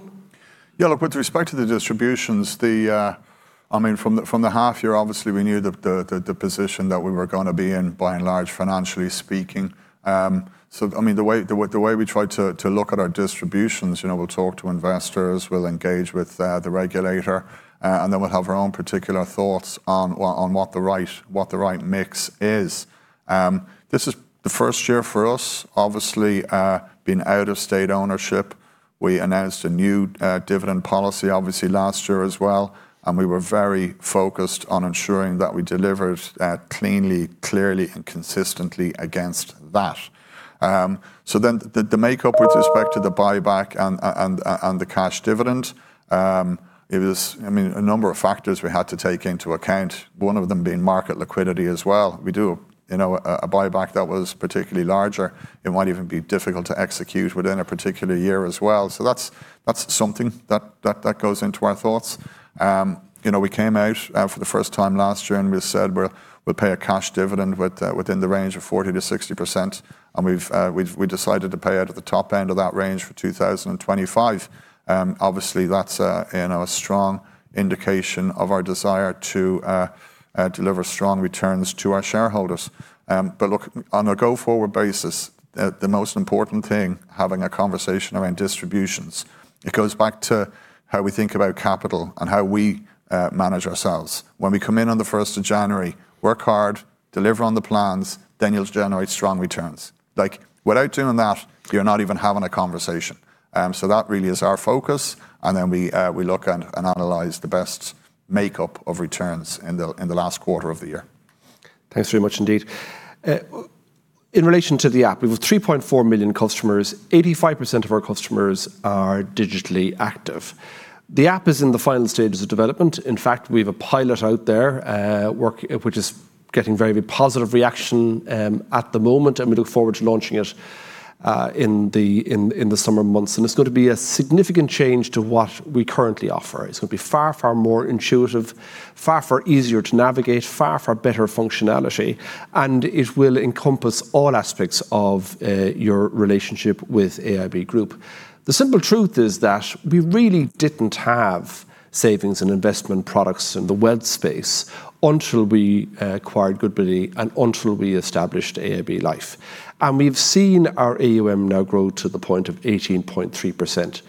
Yeah, look, with respect to the distributions, I mean, from the half year, obviously, we knew the position that we were gonna be in, by and large, financially speaking. I mean, the way we try to look at our distributions, you know, we'll talk to investors, we'll engage with the regulator, then we'll have our own particular thoughts on what the right mix is. This is the first year for us, obviously, being out of state ownership. We announced a new dividend policy obviously last year as well, we were very focused on ensuring that we delivered cleanly, clearly, and consistently against that. The makeup with respect to the buyback and the cash dividend, it was, I mean, a number of factors we had to take into account, one of them being market liquidity as well. We do, you know, a buyback that was particularly larger, it might even be difficult to execute within a particular year as well. That's something that goes into our thoughts. You know, we came out for the first time last year, and we said we'll pay a cash dividend within the range of 40%-60%. We've, we decided to pay out at the top end of that range for 2025. Obviously, that's a, you know, a strong indication of our desire to deliver strong returns to our shareholders. Look, on a go-forward basis, the most important thing, having a conversation around distributions, it goes back to how we think about capital and how we manage ourselves. When we come in on the first of January, work hard, deliver on the plans, then you'll generate strong returns. Like, without doing that, you're not even having a conversation. That really is our focus, and then we look and analyze the best makeup of returns in the, in the last quarter of the year. Thanks very much indeed. In relation to the app, we've 3.4 million customers. 85% of our customers are digitally active. The app is in the final stages of development. In fact, we've a pilot out there which is getting very positive reaction at the moment, and we look forward to launching it in the summer months. It's going to be a significant change to what we currently offer. It's going to be far, far more intuitive, far, far easier to navigate, far, far better functionality, and it will encompass all aspects of your relationship with AIB Group. The simple truth is that we really didn't have savings and investment products in the wealth space until we acquired Goodbody and until we established AIB Life. We've seen our AUM now grow to the point of 18.3%.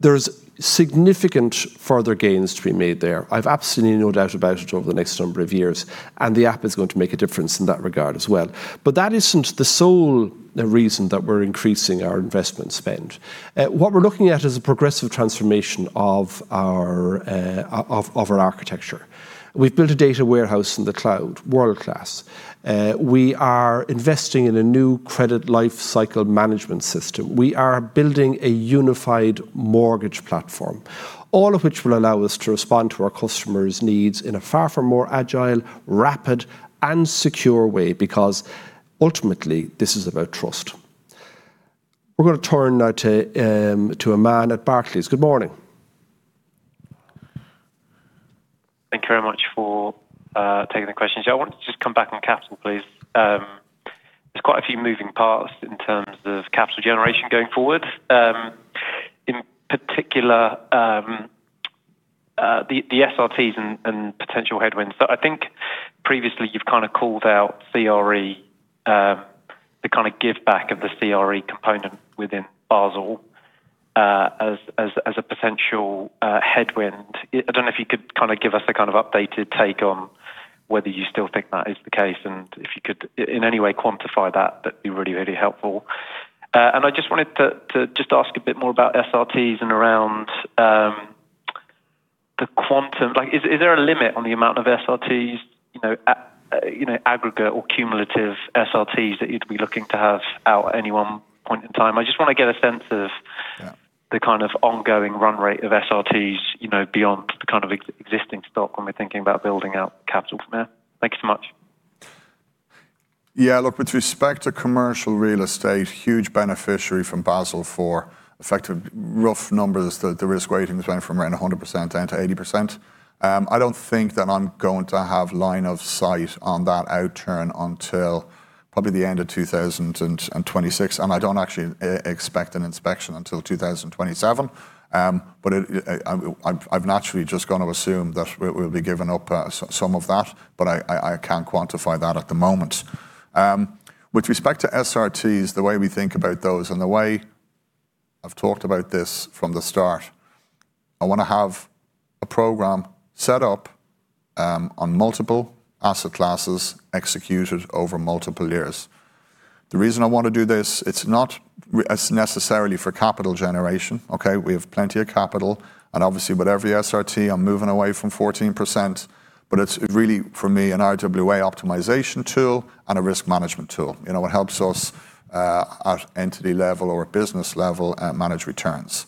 There's significant further gains to be made there. I've absolutely no doubt about it over the next number of years, the app is going to make a difference in that regard as well. That isn't the sole reason that we're increasing our investment spend. What we're looking at is a progressive transformation of our architecture. We've built a data warehouse in the cloud, world-class. We are investing in a new credit life cycle management system. We are building a unified mortgage platform, all of which will allow us to respond to our customers' needs in a far, far more agile, rapid, and secure way because ultimately, this is about trust. We're going to turn now to Aman at Barclays. Good morning. Thank you very much for taking the question. I want to just come back on capital, please. There's quite a few moving parts in terms of capital generation going forward. In particular, the SRTs and potential headwinds. I think previously you've kind of called out CRE, the kind of give back of the CRE component within Basel, as a potential headwind. I don't know if you could kind of give us a kind of updated take on whether you still think that is the case, and if you could in any way quantify that'd be really, really helpful. I just wanted to just ask a bit more about SRTs and around the quantum. Like, is there a limit on the amount of SRTs, you know, aggregate or cumulative SRTs that you'd be looking to have out at any one point in time? I just want to get a sense. Yeah ...the kind of ongoing run rate of SRTs, you know, beyond the kind of existing stock when we're thinking about building out capital from there. Thank you so much. Yeah. Look, with respect to commercial real estate, huge beneficiary from Basel IV effective rough numbers, the risk rating has went from around 100% down to 80%. I don't think that I'm going to have line of sight on that outturn until probably the end of 2026, and I don't actually expect an inspection until 2027. I've naturally just gonna assume that we'll be giving up some of that, but I can't quantify that at the moment. With respect to SRTs, the way we think about those and the way I've talked about this from the start, I wanna have a program set up on multiple asset classes executed over multiple years. The reason I want to do this, it's not necessarily for capital generation, okay? We have plenty of capital, obviously, with every SRT, I'm moving away from 14%. It's really for me an RWA optimization tool and a risk management tool. You know, it helps us at entity level or business level manage returns.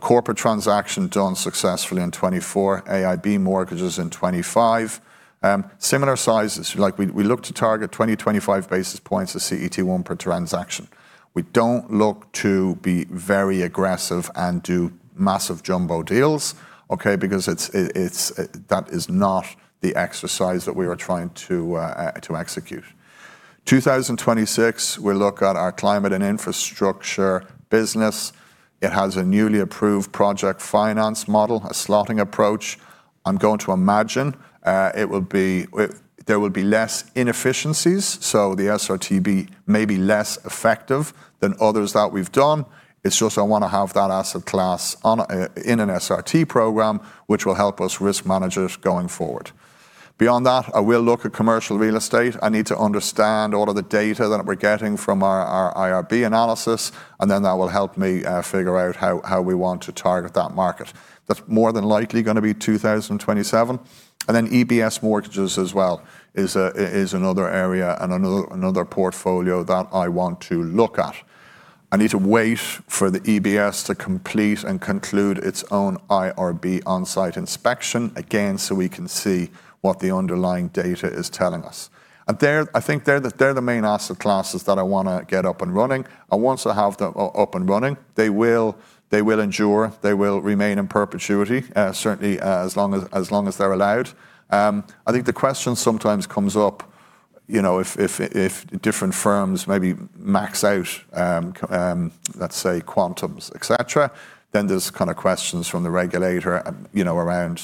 Corporate transaction done successfully in 2024, AIB mortgages in 2025. Similar sizes, like we look to target 20 to 25 basis points of CET1 per transaction. We don't look to be very aggressive and do massive jumbo deals, okay? It's that is not the exercise that we are trying to execute. 2026, we'll look at our climate and infrastructure business. It has a newly approved project finance model, a slotting approach. I'm going to imagine, it will be, there will be less inefficiencies, so the SRT be maybe less effective than others that we've done. It's just I wanna have that asset class in an SRT program, which will help us risk manage it going forward. Beyond that, I will look at commercial real estate. I need to understand all of the data that we're getting from our IRB analysis, that will help me figure how we want to target that market. That's more than likely gonna be 2027. EBS mortgages as well is another area and another portfolio that I want to look at. I need to wait for the EBS to complete and conclude its own IRB on-site inspection, again, so we can see what the underlying data is telling us. I think they're the main asset classes that I wanna get up and running, and once I have them up and running, they will endure, they will remain in perpetuity, certainly, as long as they're allowed. I think the question sometimes comes up. You know, if different firms maybe max out, let's say quantums, et cetera, then there's kind of questions from the regulator, you know, around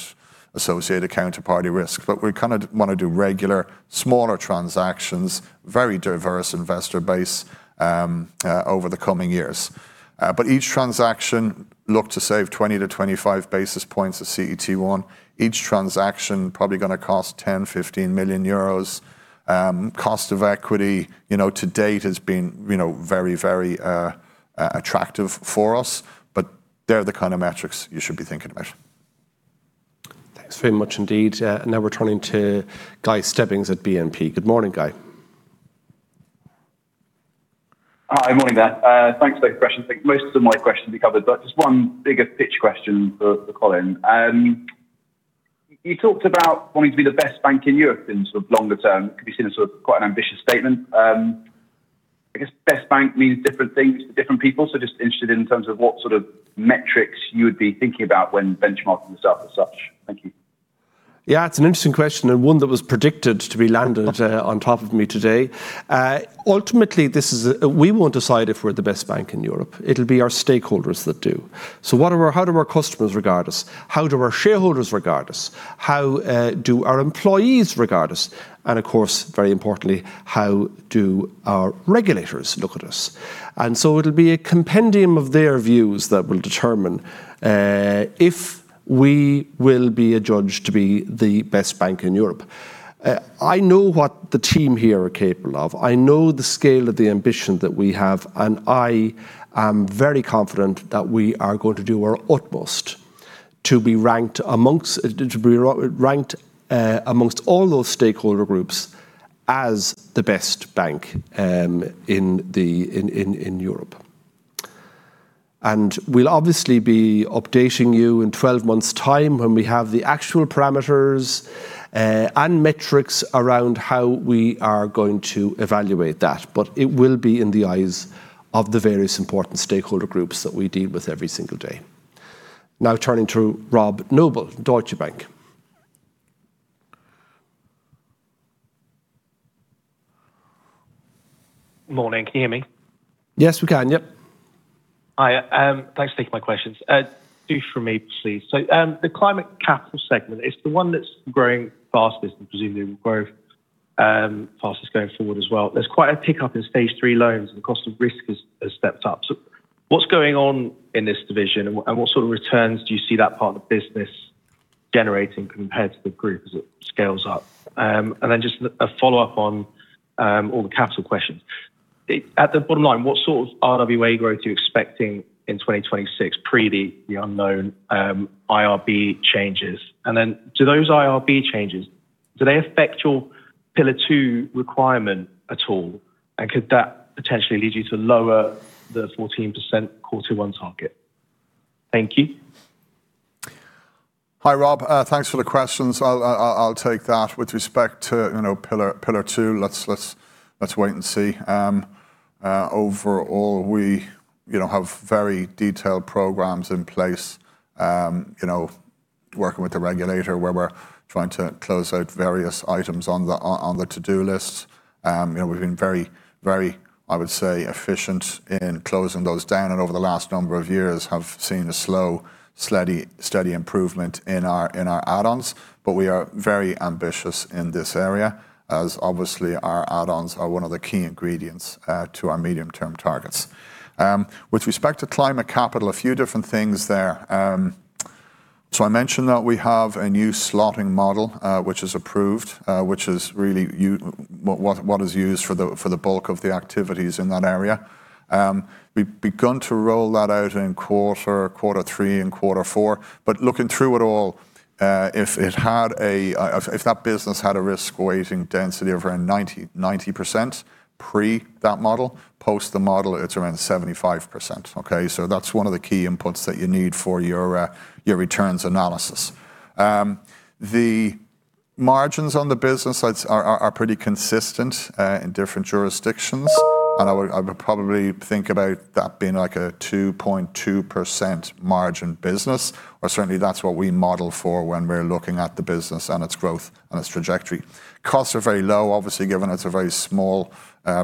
associated counterparty risk. We kind of wanna do regular smaller transactions, very diverse investor base over the coming years. Each transaction look to save 20-25 basis points of CET1. Each transaction probably gonna cost 10 million-15 million euros. Cost of equity, you know, to date has been, you know, very attractive for us, but they're the kind of metrics you should be thinking about. Thanks very much indeed. Now we're turning to Guy Stebbings at BNP. Good morning, Guy. Hi. Morning there. Thanks for the question. I think most of my questions you covered. Just one bigger picture question for Colin. You talked about wanting to be the best bank in Europe in sort of longer term. It could be seen as sort of quite an ambitious statement. I guess best bank means different things to different people, so just interested in terms of what sort of metrics you would be thinking about when benchmarking yourself as such. Thank you. Yeah. It's an interesting question, and one that was predicted to be landed on top of me today. Ultimately we won't decide if we're the best bank in Europe. It'll be our stakeholders that do. How do our customers regard us? How do our shareholders regard us? How do our employees regard us? Of course, very importantly, how do our regulators look at us? It'll be a compendium of their views that will determine if we will be adjudged to be the best bank in Europe. I know what the team here are capable of. I know the scale of the ambition that we have, and I am very confident that we are going to do our utmost to be ranked amongst all those stakeholder groups as the best bank in Europe. We'll obviously be updating you in 12 months' time when we have the actual parameters and metrics around how we are going to evaluate that. It will be in the eyes of the various important stakeholder groups that we deal with every single day. Turning to Robert Noble, Deutsche Bank. Morning. Can you hear me? Yes, we can. Yep. Hi. Thanks for taking my questions. Two from me please. The climate capital segment, it's the one that's growing fastest, and presumably will grow fastest going forward as well. There's quite a pickup in stage three loans, and the cost of risk has stepped up. What's going on in this division and what sort of returns do you see that part of the business generating compared to the group as it scales up? Just a follow-up on all the capital questions. At the bottom line, what sort of RWA growth are you expecting in 2026, pre the unknown IRB changes? Do those IRB changes affect your Pillar 2 requirement at all? Could that potentially lead you to lower the 14% quarter one target? Thank you. Hi, Rob. Thanks for the questions. I'll take that. With respect to, you know, Pillar 2, let's wait and see. Overall we, you know, have very detailed programs in place, you know, working with the regulator, where we're trying to close out various items on the to-do list. You know, we've been very, I would say, efficient in closing those down, and over the last number of years have seen a slow, steady improvement in our, in our add-ons. We are very ambitious in this area, as obviously our add-ons are one of the key ingredients, to our medium-term targets. With respect to climate capital, a few different things there. I mentioned that we have a new slotting model, which is approved, which is really what is used for the bulk of the activities in that area. We've begun to roll that out in quarter three and quarter four. Looking through it all, if that business had a risk-weighting density of around 90% pre that model, post the model, it's around 75%, okay? That's one of the key inputs that you need for your returns analysis. The margins on the business are pretty consistent in different jurisdictions, and I would probably think about that being like a 2.2% margin business, or certainly that's what we model for when we're looking at the business and its growth and its trajectory. Costs are very low, obviously, given it's a very small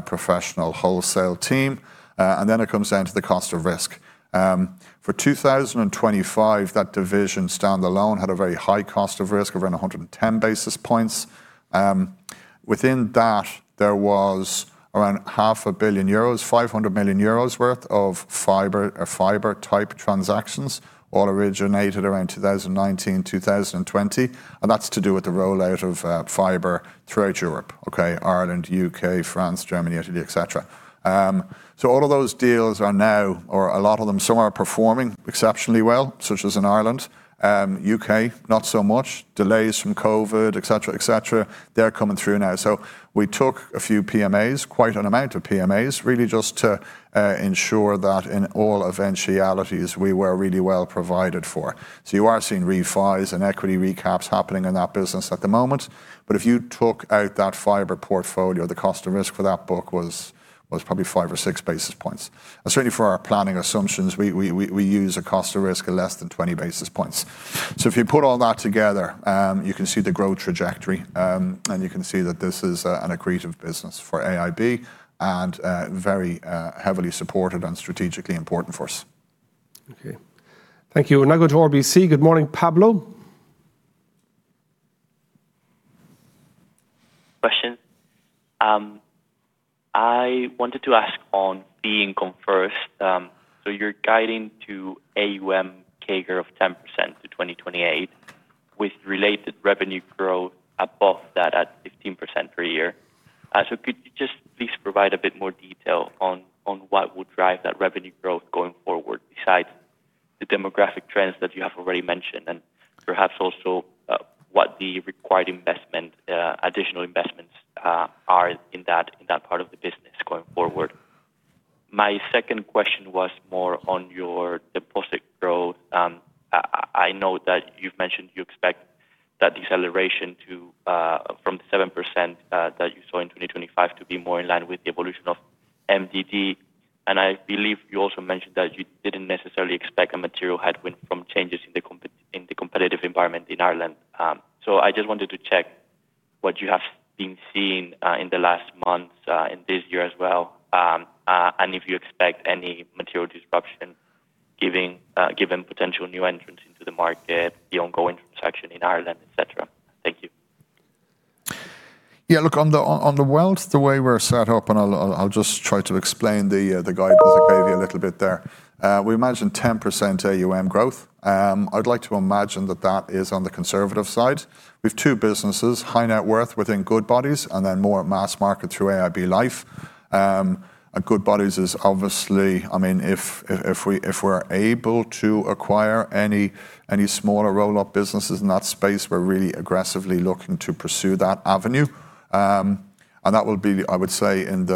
professional wholesale team. Then it comes down to the cost of risk. For 2025, that division standalone had a very high cost of risk, around 110 basis points. Within that, there was around half a billion euros, 500 million euros worth of fiber type transactions, all originated around 2019, 2020, and that's to do with the rollout of fiber throughout Europe, okay? Ireland, U.K., France, Germany, Italy, et cetera. All of those deals are now, or a lot of them, some are performing exceptionally well, such as in Ireland. U.K., not so much. Delays from COVID, et cetera, et cetera. They're coming through now. We took a few PMAs, quite an amount of PMAs, really just to ensure that in all eventualities we were really well provided for. You are seeing refis and equity recaps happening in that business at the moment. If you took out that fiber portfolio, the cost of risk for that book was probably 5 or 6 basis points. Certainly for our planning assumptions, we use a cost of risk of less than 20 basis points. If you put all that together, you can see the growth trajectory, and you can see that this is an accretive business for AIB and very heavily supported and strategically important for us. Okay. Thank you. Now go to RBC. Good morning, Pablo. I wanted to ask on the income first. You're guiding to AUM CAGR of 10% to 2028 with related revenue growth above that at 15% per year. Could you just please provide a bit more detail on what would drive that revenue growth going forward besides the demographic trends that you have already mentioned, and perhaps also, what the required investment, additional investments, are in that part of the business going forward. My second question was more on your deposit growth. I know that you've mentioned you expect that deceleration from 7% that you saw in 2025 to be more in line with the evolution of MREL, and I believe you also mentioned that you didn't necessarily expect a material headwind from changes in the competitive environment in Ireland. I just wanted to check what you have been seeing in the last months in this year as well. If you expect any material disruption given potential new entrants into the market, the ongoing transaction in Ireland, et cetera. Thank you. Yeah. Look, on the wealth, the way we're set up, and I'll just try to explain the guidance I gave you a little bit there. We imagine 10% AUM growth. I'd like to imagine that that is on the conservative side. We've two businesses, high net worth within Goodbody and then more mass market through AIB Life. Goodbody is obviously. I mean, if we're able to acquire any smaller roll-up businesses in that space, we're really aggressively looking to pursue that avenue. That will be, I would say, in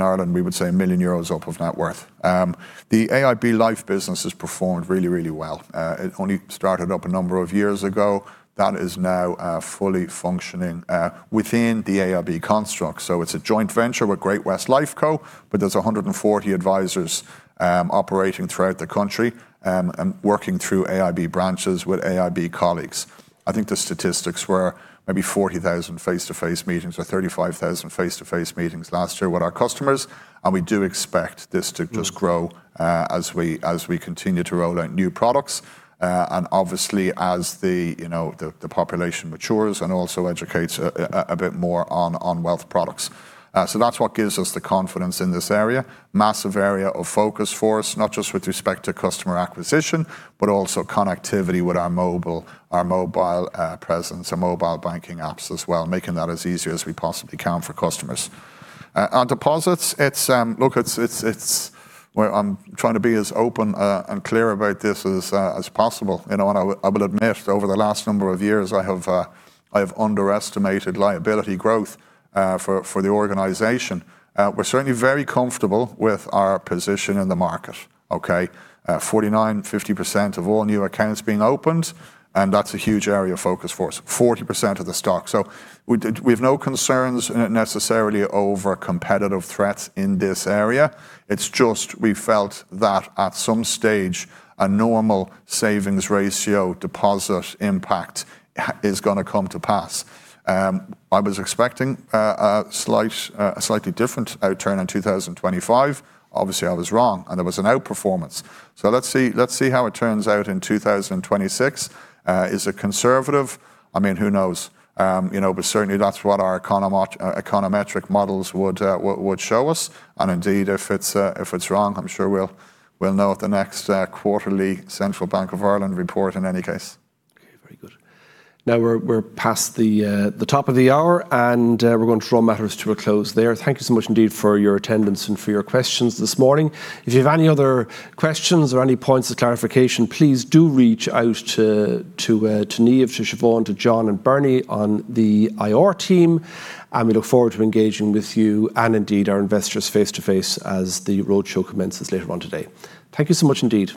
Ireland, we would say 1 million euros up of net worth. The AIB Life business has performed really well. It only started up a number of years ago. That is now fully functioning within the AIB construct. It's a joint venture with Great-West Lifeco, but there's 140 advisors operating throughout the country and working through AIB branches with AIB colleagues. I think the statistics were maybe 40,000 face-to-face meetings or 35,000 face-to-face meetings last year with our customers, and we do expect this to just grow as we continue to roll out new products and obviously as the, you know, the population matures and also educates a bit more on wealth products. That's what gives us the confidence in this area. Massive area of focus for us, not just with respect to customer acquisition, but also connectivity with our mobile presence, our mobile banking apps as well, making that as easy as we possibly can for customers. On deposits, it's where I'm trying to be as open and clear about this as possible, you know. I will admit over the last number of years, I have underestimated liability growth for the organization. We're certainly very comfortable with our position in the market. Okay. 49%, 50% of all new accounts being opened, and that's a huge area of focus for us. 40% of the stock. We've no concerns necessarily over competitive threats in this area. It's just we felt that at some stage, a normal savings ratio deposit impact is gonna come to pass. I was expecting a slight, a slightly different outturn in 2025. Obviously, I was wrong, and there was an outperformance. Let's see, let's see how it turns out in 2026. Is it conservative? I mean, who knows? You know, certainly that's what our econometric models would show us. Indeed, if it's wrong, I'm sure we'll know at the next quarterly Central Bank of Ireland report in any case. Okay. Very good. Now we're past the top of the hour, and we're going to draw matters to a close there. Thank you so much indeed for your attendance and for your questions this morning. If you have any other questions or any points of clarification, please do reach out to Niamh, to Siobhan, to John and Bernie on the IR team, and we look forward to engaging with you, and indeed our investors face to face as the roadshow commences later on today. Thank you so much indeed.